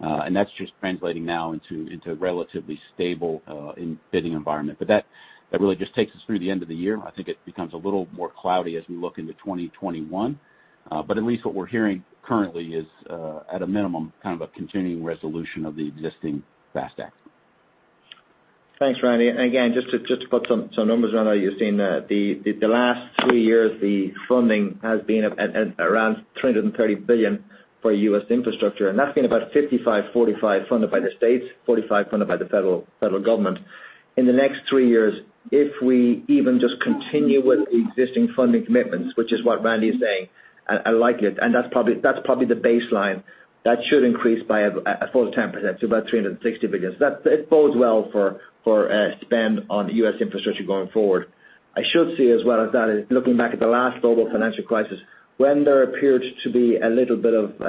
That's just translating now into a relatively stable bidding environment. That really just takes us through the end of the year. I think it becomes a little more cloudy as we look into 2021. At least what we're hearing currently is, at a minimum, kind of a continuing resolution of the existing FAST Act. Thanks, Randy. Again, just to put some numbers around that, Yassine, the last three years, the funding has been around $330 billion for U.S. infrastructure, and that's been about 55/45 funded by the states, 45 funded by the federal government. In the next three years, if we even just continue with the existing funding commitments, which is what Randy is saying, I like it, and that's probably the baseline. That should increase by a full 10%, so about $360 billion. It bodes well for spend on U.S. infrastructure going forward. I should say as well as that is looking back at the last global financial crisis, when there appeared to be a little bit of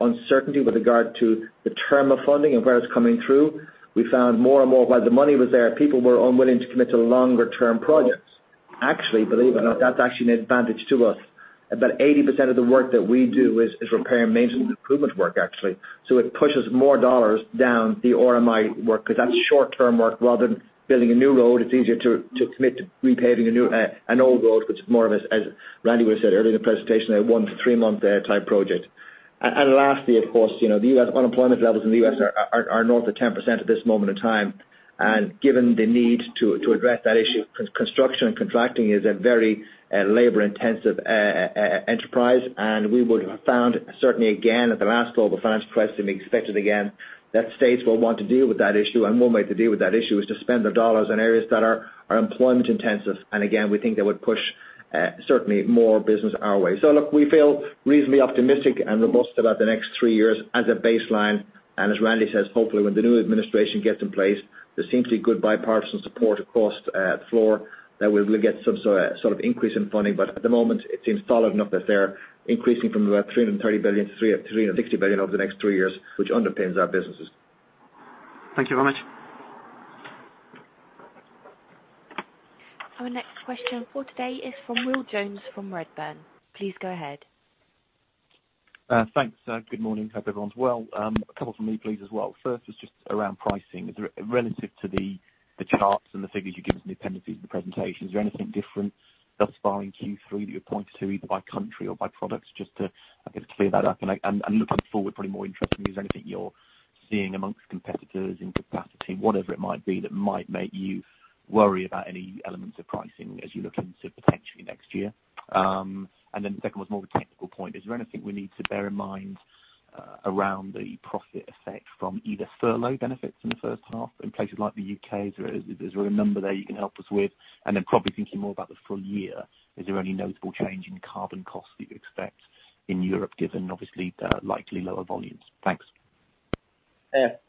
uncertainty with regard to the term of funding and where it's coming through, we found more and more while the money was there, people were unwilling to commit to longer-term projects. Actually, believe it or not, that's actually an advantage to us. About 80% of the work that we do is repair and maintenance improvement work, actually. It pushes more dollars down the RMI work because that's short-term work rather than building a new road. It's easier to commit to repaving an old road, which is more of, as Randy would have said earlier in the presentation, a one to three-month type project. Lastly, of course, the unemployment levels in the U.S. are north of 10% at this moment in time. Given the need to address that issue, construction and contracting is a very labor-intensive enterprise, and we would have found certainly, again, at the last global financial crisis, and we expect it again, that states will want to deal with that issue. One way to deal with that issue is to spend their dollars on areas that are employment intensive. Again, we think that would push certainly more business our way. Look, we feel reasonably optimistic and robust about the next three years as a baseline. As Randy says, hopefully when the new administration gets in place, there seems to be good bipartisan support across the floor that we will get some increase in funding. At the moment, it seems solid enough that they are increasing from about $330 billion to $360 billion over the next three years, which underpins our businesses. Thank you very much. Our next question for today is from Will Jones from Redburn. Please go ahead. Thanks. Good morning. Hope everyone's well. A couple from me, please, as well. First is just around pricing. Relative to the charts and the figures you give us in the appendices of the presentation, is there anything different thus far in Q3 that you're pointing to, either by country or by products, just to, I guess, clear that up? Looking forward, probably more interesting, is there anything you're seeing amongst competitors in capacity, whatever it might be, that might make you worry about any elements of pricing as you look into potentially next year? The second one's more of a technical point. Is there anything we need to bear in mind around the profit effect from either furlough benefits in the first half in places like the U.K.? Is there a number there you can help us with? Probably thinking more about the full year, is there any notable change in carbon costs that you expect in Europe, given obviously the likely lower volumes? Thanks.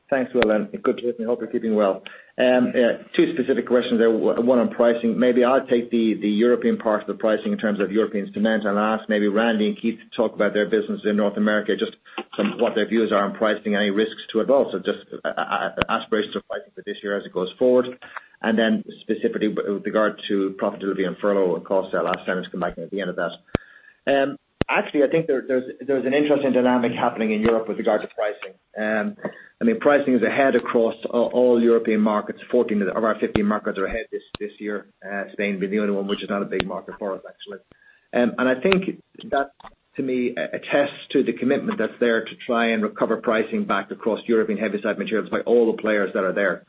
Thanks, Will. Good to hear from you. Hope you're keeping well. Two specific questions there, one on pricing. Maybe I'll take the European part of the pricing in terms of European cement, and ask maybe Randy and Keith to talk about their business in North America, just from what their views are on pricing, any risks to it all. Just aspirations for pricing for this year as it goes forward, and then specifically with regard to profitability and furlough and cost, I'll ask Senan to come back in at the end of that. Actually, I think there's an interesting dynamic happening in Europe with regard to pricing. Pricing is ahead across all European markets. 14 of our 15 markets are ahead this year, Spain being the only one, which is not a big market for us, actually. I think that, to me, attests to the commitment that's there to try and recover pricing back across European heavyside materials by all the players that are there.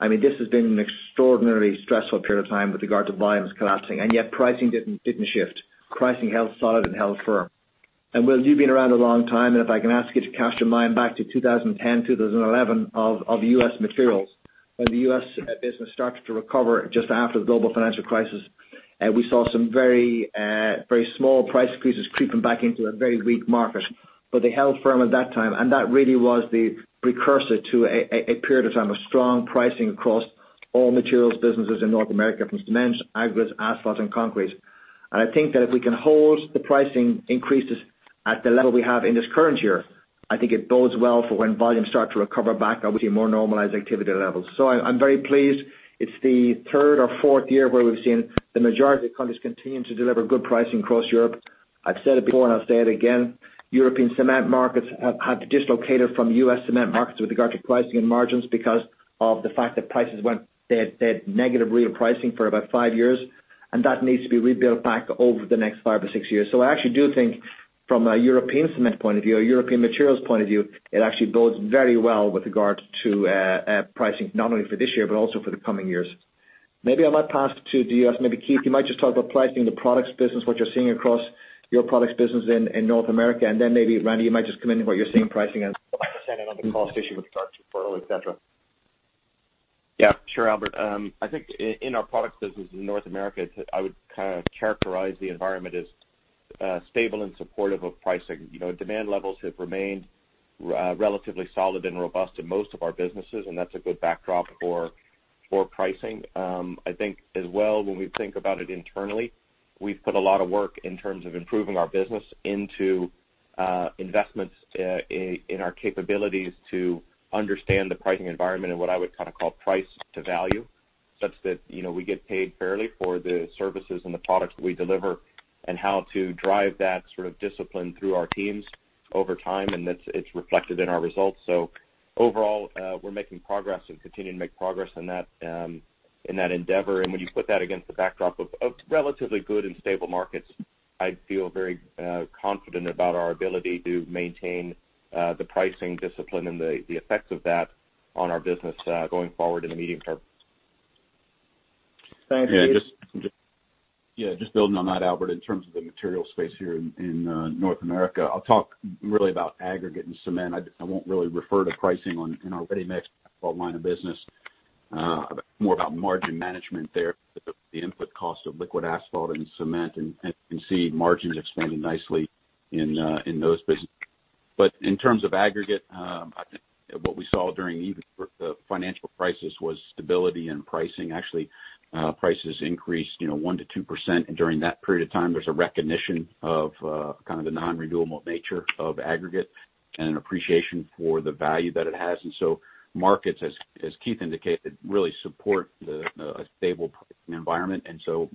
This has been an extraordinarily stressful period of time with regard to volumes collapsing, and yet pricing didn't shift. Pricing held solid and held firm. Will, you've been around a long time, and if I can ask you to cast your mind back to 2010, 2011 of Americas Materials, when the U.S. business started to recover just after the global financial crisis, and we saw some very small price increases creeping back into a very weak market but they held firm at that time, and that really was the precursor to a period of time of strong pricing across all materials businesses in North America, from cement, aggregates, asphalt, and concrete. I think that if we can hold the pricing increases at the level we have in this current year, I think it bodes well for when volumes start to recover back and we see more normalized activity levels. I'm very pleased. It's the third or fourth year where we've seen the majority of the countries continuing to deliver good pricing across Europe. I've said it before, and I'll say it again, European cement markets have dislocated from U.S. cement markets with regard to pricing and margins because of the fact that prices had negative real pricing for about five years and that needs to be rebuilt back over the next five or six years. I actually do think from a European cement point of view, a European materials point of view, it actually bodes very well with regard to pricing, not only for this year but also for the coming years. Maybe I might pass to the U.S. Maybe, Keith, you might just talk about pricing in the Products business, what you're seeing across your Products business in North America. Then maybe, Randy, you might just come in on what you're seeing in pricing and you might just add in on the cost issue with regard to furlough, et cetera. Sure, Albert. I think in our products business in North America, I would characterize the environment as stable and supportive of pricing. Demand levels have remained relatively solid and robust in most of our businesses. That's a good backdrop for pricing. I think as well, when we think about it internally, we've put a lot of work in terms of improving our business into investments in our capabilities to understand the pricing environment and what I would call price to value, such that we get paid fairly for the services and the products we deliver and how to drive that sort of discipline through our teams over time. It's reflected in our results. Overall, we're making progress and continuing to make progress in that endeavor. When you put that against the backdrop of relatively good and stable markets, I feel very confident about our ability to maintain the pricing discipline and the effects of that on our business going forward in the medium term. Thanks, Keith. Yeah. Just building on that, Albert, in terms of the material space here in North America, I'll talk really about aggregate and cement. I won't really refer to pricing in our ready-mix asphalt line of business. More about margin management there, the input cost of liquid asphalt and cement. You can see margins expanding nicely in those businesses. In terms of aggregate, I think what we saw during even the financial crisis was stability in pricing. Actually, prices increased 1% to 2% during that period of time. There's a recognition of the non-renewable nature of aggregate and appreciation for the value that it has. Markets, as Keith indicated, really support a stable pricing environment.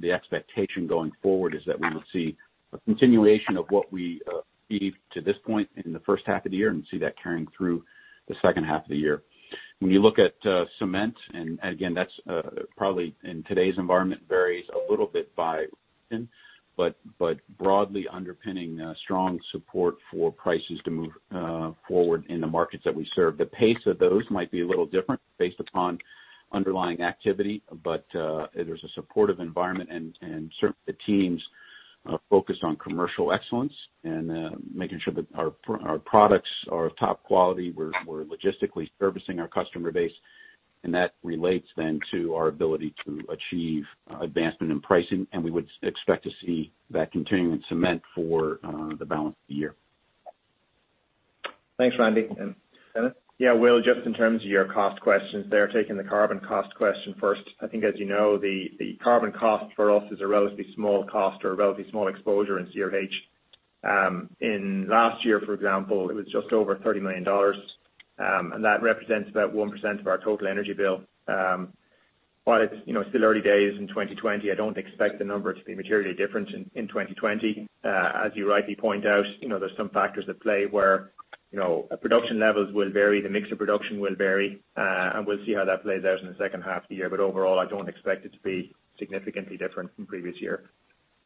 The expectation going forward is that we will see a continuation of what we have seen to this point in the first half of the year and see that carrying through the second half of the year. When you look at cement, and again, that probably in today's environment varies a little bit by region but broadly underpinning strong support for prices to move forward in the markets that we serve. The pace of those might be a little different based upon underlying activity, but there's a supportive environment, and certainly the teams are focused on commercial excellence and making sure that our products are of top quality. We're logistically servicing our customer base, and that relates then to our ability to achieve advancement in pricing, and we would expect to see that continue in cement for the balance of the year. Thanks, Randy. Senan? Yeah, Will, just in terms of your cost questions there, taking the carbon cost question first. I think as you know, the carbon cost for us is a relatively small cost or a relatively small exposure in CRH. In last year, for example, it was just over $30 million, and that represents about 1% of our total energy bill. While it's still early days in 2020, I don't expect the number to be materially different in 2020. As you rightly point out, there's some factors at play where production levels will vary, the mix of production will vary. We'll see how that plays out in the second half of the year. Overall, I don't expect it to be significantly different from previous year.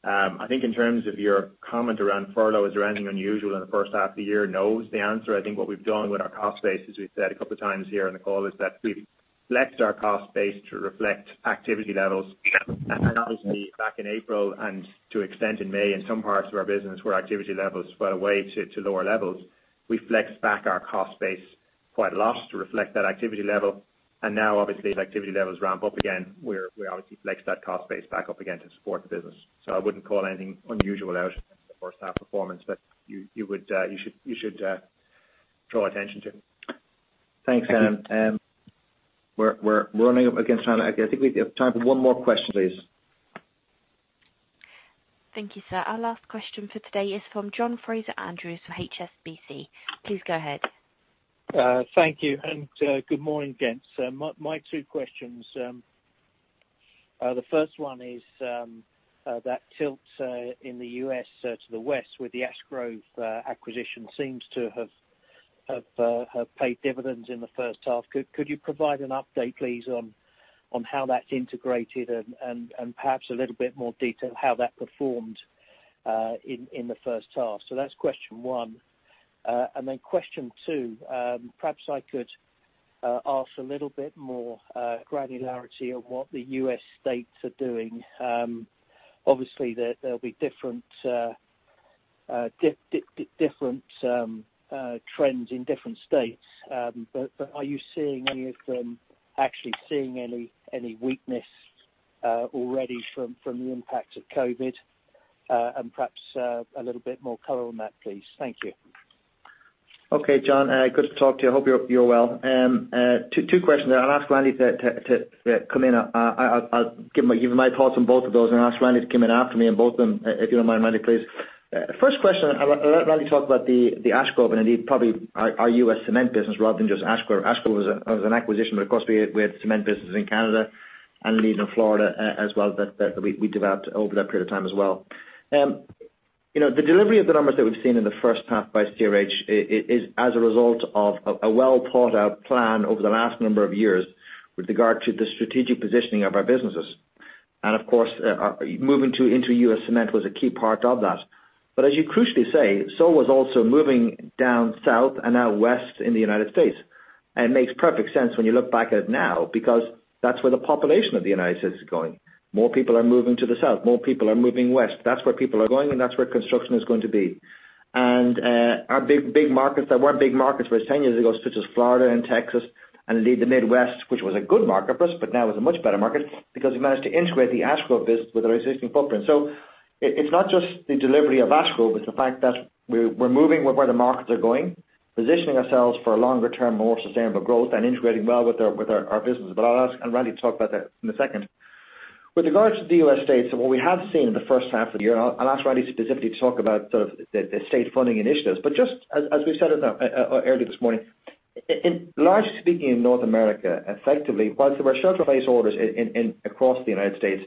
I think in terms of your comment around furlough, is there anything unusual in the first half of the year? No is the answer. I think what we've done with our cost base, as we've said a couple of times here on the call, is that we've flexed our cost base to reflect activity levels. Obviously back in April and to extent in May, in some parts of our business where activity levels fell away to lower levels, we flexed back our cost base quite a lot to reflect that activity level. Now obviously as activity levels ramp up again, we obviously flex that cost base back up again to support the business. I wouldn't call anything unusual out in the first half performance, but you should draw attention to. Thanks, Senan. We're running up against time. I think we have time for one more question, please. Thank you, sir. Our last question for today is from John Fraser-Andrews from HSBC. Please go ahead. Thank you, and good morning again. My two questions. The first one is, that tilt in the U.S. to the West with the Ash Grove acquisition seems to have paid dividends in the first half. Could you provide an update, please, on how that's integrated and perhaps a little bit more detail how that performed in the first half? That's question one. Then question two, perhaps I could ask a little bit more granularity of what the U.S. states are doing. Obviously there'll be different trends in different states. Are you seeing any of them, actually seeing any weakness already from the impact of COVID? Perhaps a little bit more color on that, please. Thank you. Okay, John. Good to talk to you. I hope you're well. Two questions. I'll give my thoughts on both of those and ask Randy to come in after me on both of them, if you don't mind, Randy, please. First question, I'll let Randy talk about the Ash Grove and indeed probably our U.S. cement business rather than just Ash Grove. Ash Grove was an acquisition, but of course we had cement businesses in Canada and indeed in Florida as well, that we developed over that period of time as well. The delivery of the numbers that we've seen in the first half by CRH is as a result of a well-thought-out plan over the last number of years with regard to the strategic positioning of our businesses. Of course, moving into U.S. cement was a key part of that. As you crucially say, so was also moving down South and now West in the United States makes perfect sense when you look back at it now, because that's where the population of the United is going. More people are moving to the South, more people are moving West. That's where people are going, and that's where construction is going to be. Our big markets that weren't big markets maybe 10 years ago, such as Florida and Texas and indeed the Midwest, which was a good market for us, but now is a much better market because we managed to integrate the Ash Grove business with our existing footprint. It's not just the delivery of Ash Grove, it's the fact that we're moving where the markets are going, positioning ourselves for a longer-term, more sustainable growth and integrating well with our businesses. I'll ask Randy to talk about that in a second. With regards to the U.S. states and what we have seen in the first half of the year, I'll ask Randy specifically to talk about the state funding initiatives. Just as we said earlier this morning, largely speaking in North America, effectively, whilst there were shelter-based orders across the United States,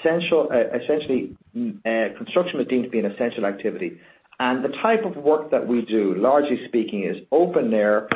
essentially, construction was deemed to be an essential activity. The type of work that we do, largely speaking, is open-air,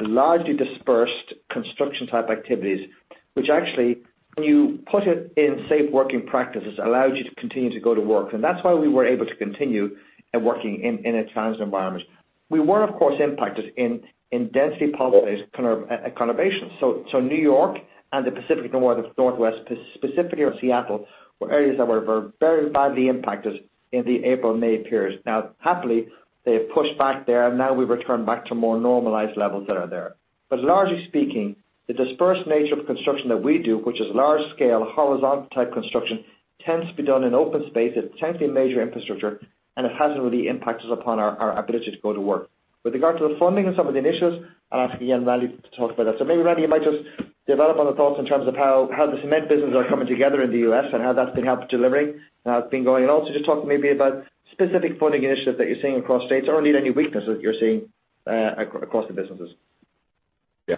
largely dispersed construction-type activities, which actually, when you put it in safe working practices, allows you to continue to go to work. That's why we were able to continue working in a challenging environment. We were, of course, impacted in densely populated conurbations. New York and the Pacific Northwest, specifically around Seattle, were areas that were very badly impacted in the April, May periods. Happily, they have pushed back there and now we've returned back to more normalized levels that are there. Largely speaking, the dispersed nature of construction that we do, which is large-scale, horizontal-type construction, tends to be done in open spaces, tends to be major infrastructure, and it hasn't really impacted upon our ability to go to work. With regard to the funding and some of the initiatives, I'll ask again Randy to talk about that. Maybe Randy, you might just develop on the thoughts in terms of how the cement businesses are coming together in the U.S. and how that's been helped delivering and how it's been going. Also just talk maybe about specific funding initiatives that you're seeing across states or indeed any weaknesses you're seeing across the businesses. Yeah.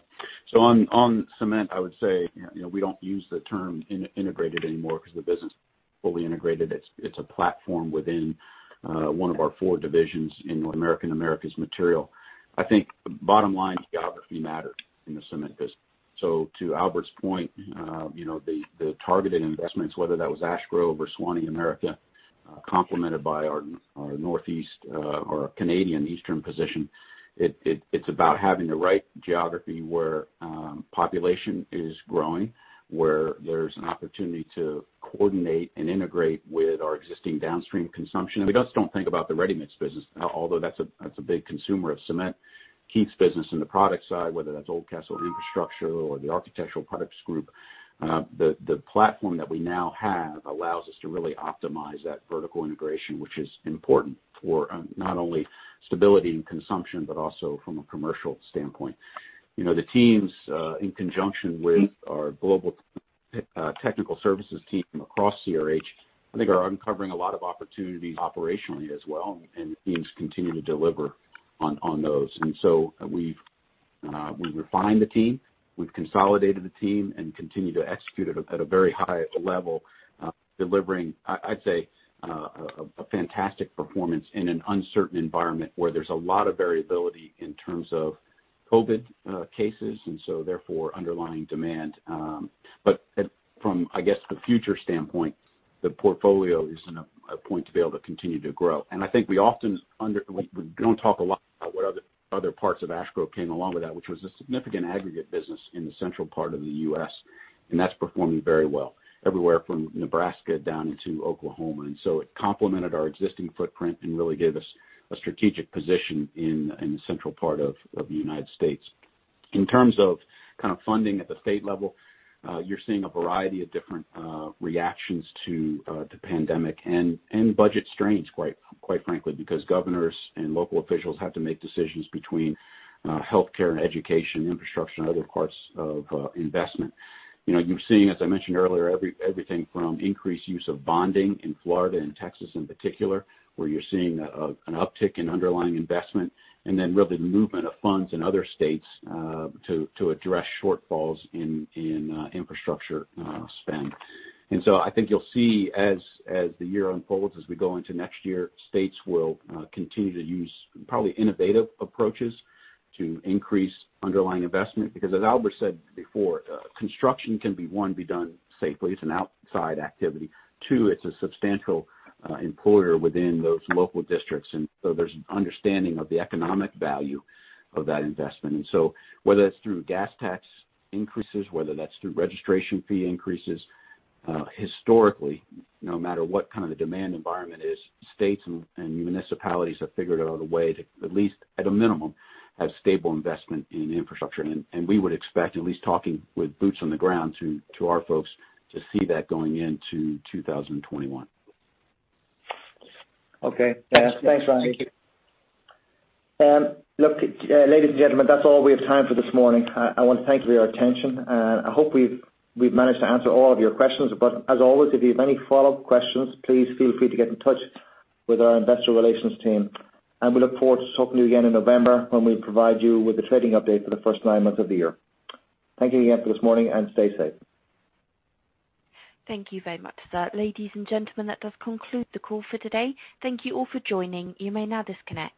On cement, I would say, we don't use the term integrated anymore because the business is fully integrated. It's a platform within one of our four divisions in North America and Americas Materials. I think bottom line, geography matters in the cement business. To Albert's point, the targeted investments, whether that was Ash Grove or Suwannee American Cement, complemented by our Northeast or Canadian eastern position, it's about having the right geography where population is growing, where there's an opportunity to coordinate and integrate with our existing downstream consumption. We also don't think about the ready-mix business, although that's a big consumer of cement. Keith's business in the product side, whether that's Oldcastle Infrastructure or the Architectural Products Group. The platform that we now have allows us to really optimize that vertical integration, which is important for not only stability and consumption, but also from a commercial standpoint. The teams, in conjunction with our global technical services team across CRH, I think are uncovering a lot of opportunities operationally as well, and the teams continue to deliver on those. We’ve refined the team, we’ve consolidated the team, and continue to execute at a very high level, delivering, I’d say, a fantastic performance in an uncertain environment where there’s a lot of variability in terms of COVID cases, therefore underlying demand. From, I guess, the future standpoint, the portfolio is in a point to be able to continue to grow. I think we don’t talk a lot about what other parts of Ash Grove came along with that, which was a significant aggregate business in the central part of the U.S., and that’s performing very well. Everywhere from Nebraska down into Oklahoma. It complemented our existing footprint and really gave us a strategic position in the central part of the United States. In terms of funding at the state level, you're seeing a variety of different reactions to the pandemic, and budget strains, quite frankly, because governors and local officials have to make decisions between healthcare and education, infrastructure, and other parts of investment. You're seeing, as I mentioned earlier, everything from increased use of bonding in Florida and Texas in particular, where you're seeing an uptick in underlying investment, and then really the movement of funds in other states to address shortfalls in infrastructure spend. I think you'll see, as the year unfolds, as we go into next year, states will continue to use probably innovative approaches to increase underlying investment because as Albert said before, construction can, one, be done safely. It's an outside activity. Two. It's a substantial employer within those local districts, there's an understanding of the economic value of that investment. Whether that's through gas tax increases, whether that's through registration fee increases, historically, no matter what kind of the demand environment is, states and municipalities have figured out a way to at least at a minimum, have stable investment in infrastructure. We would expect, at least talking with boots on the ground to our folks, to see that going into 2021. Okay. Thanks, Randy. Thank you. Look, ladies and gentlemen, that is all we have time for this morning. I want to thank you for your attention. I hope we have managed to answer all of your questions. As always, if you have any follow-up questions, please feel free to get in touch with our investor relations team. We look forward to talking to you again in November, when we provide you with the trading update for the first nine months of the year. Thank you again for this morning, and stay safe. Thank you very much, sir. Ladies and gentlemen, that does conclude the call for today. Thank you all for joining. You may now disconnect.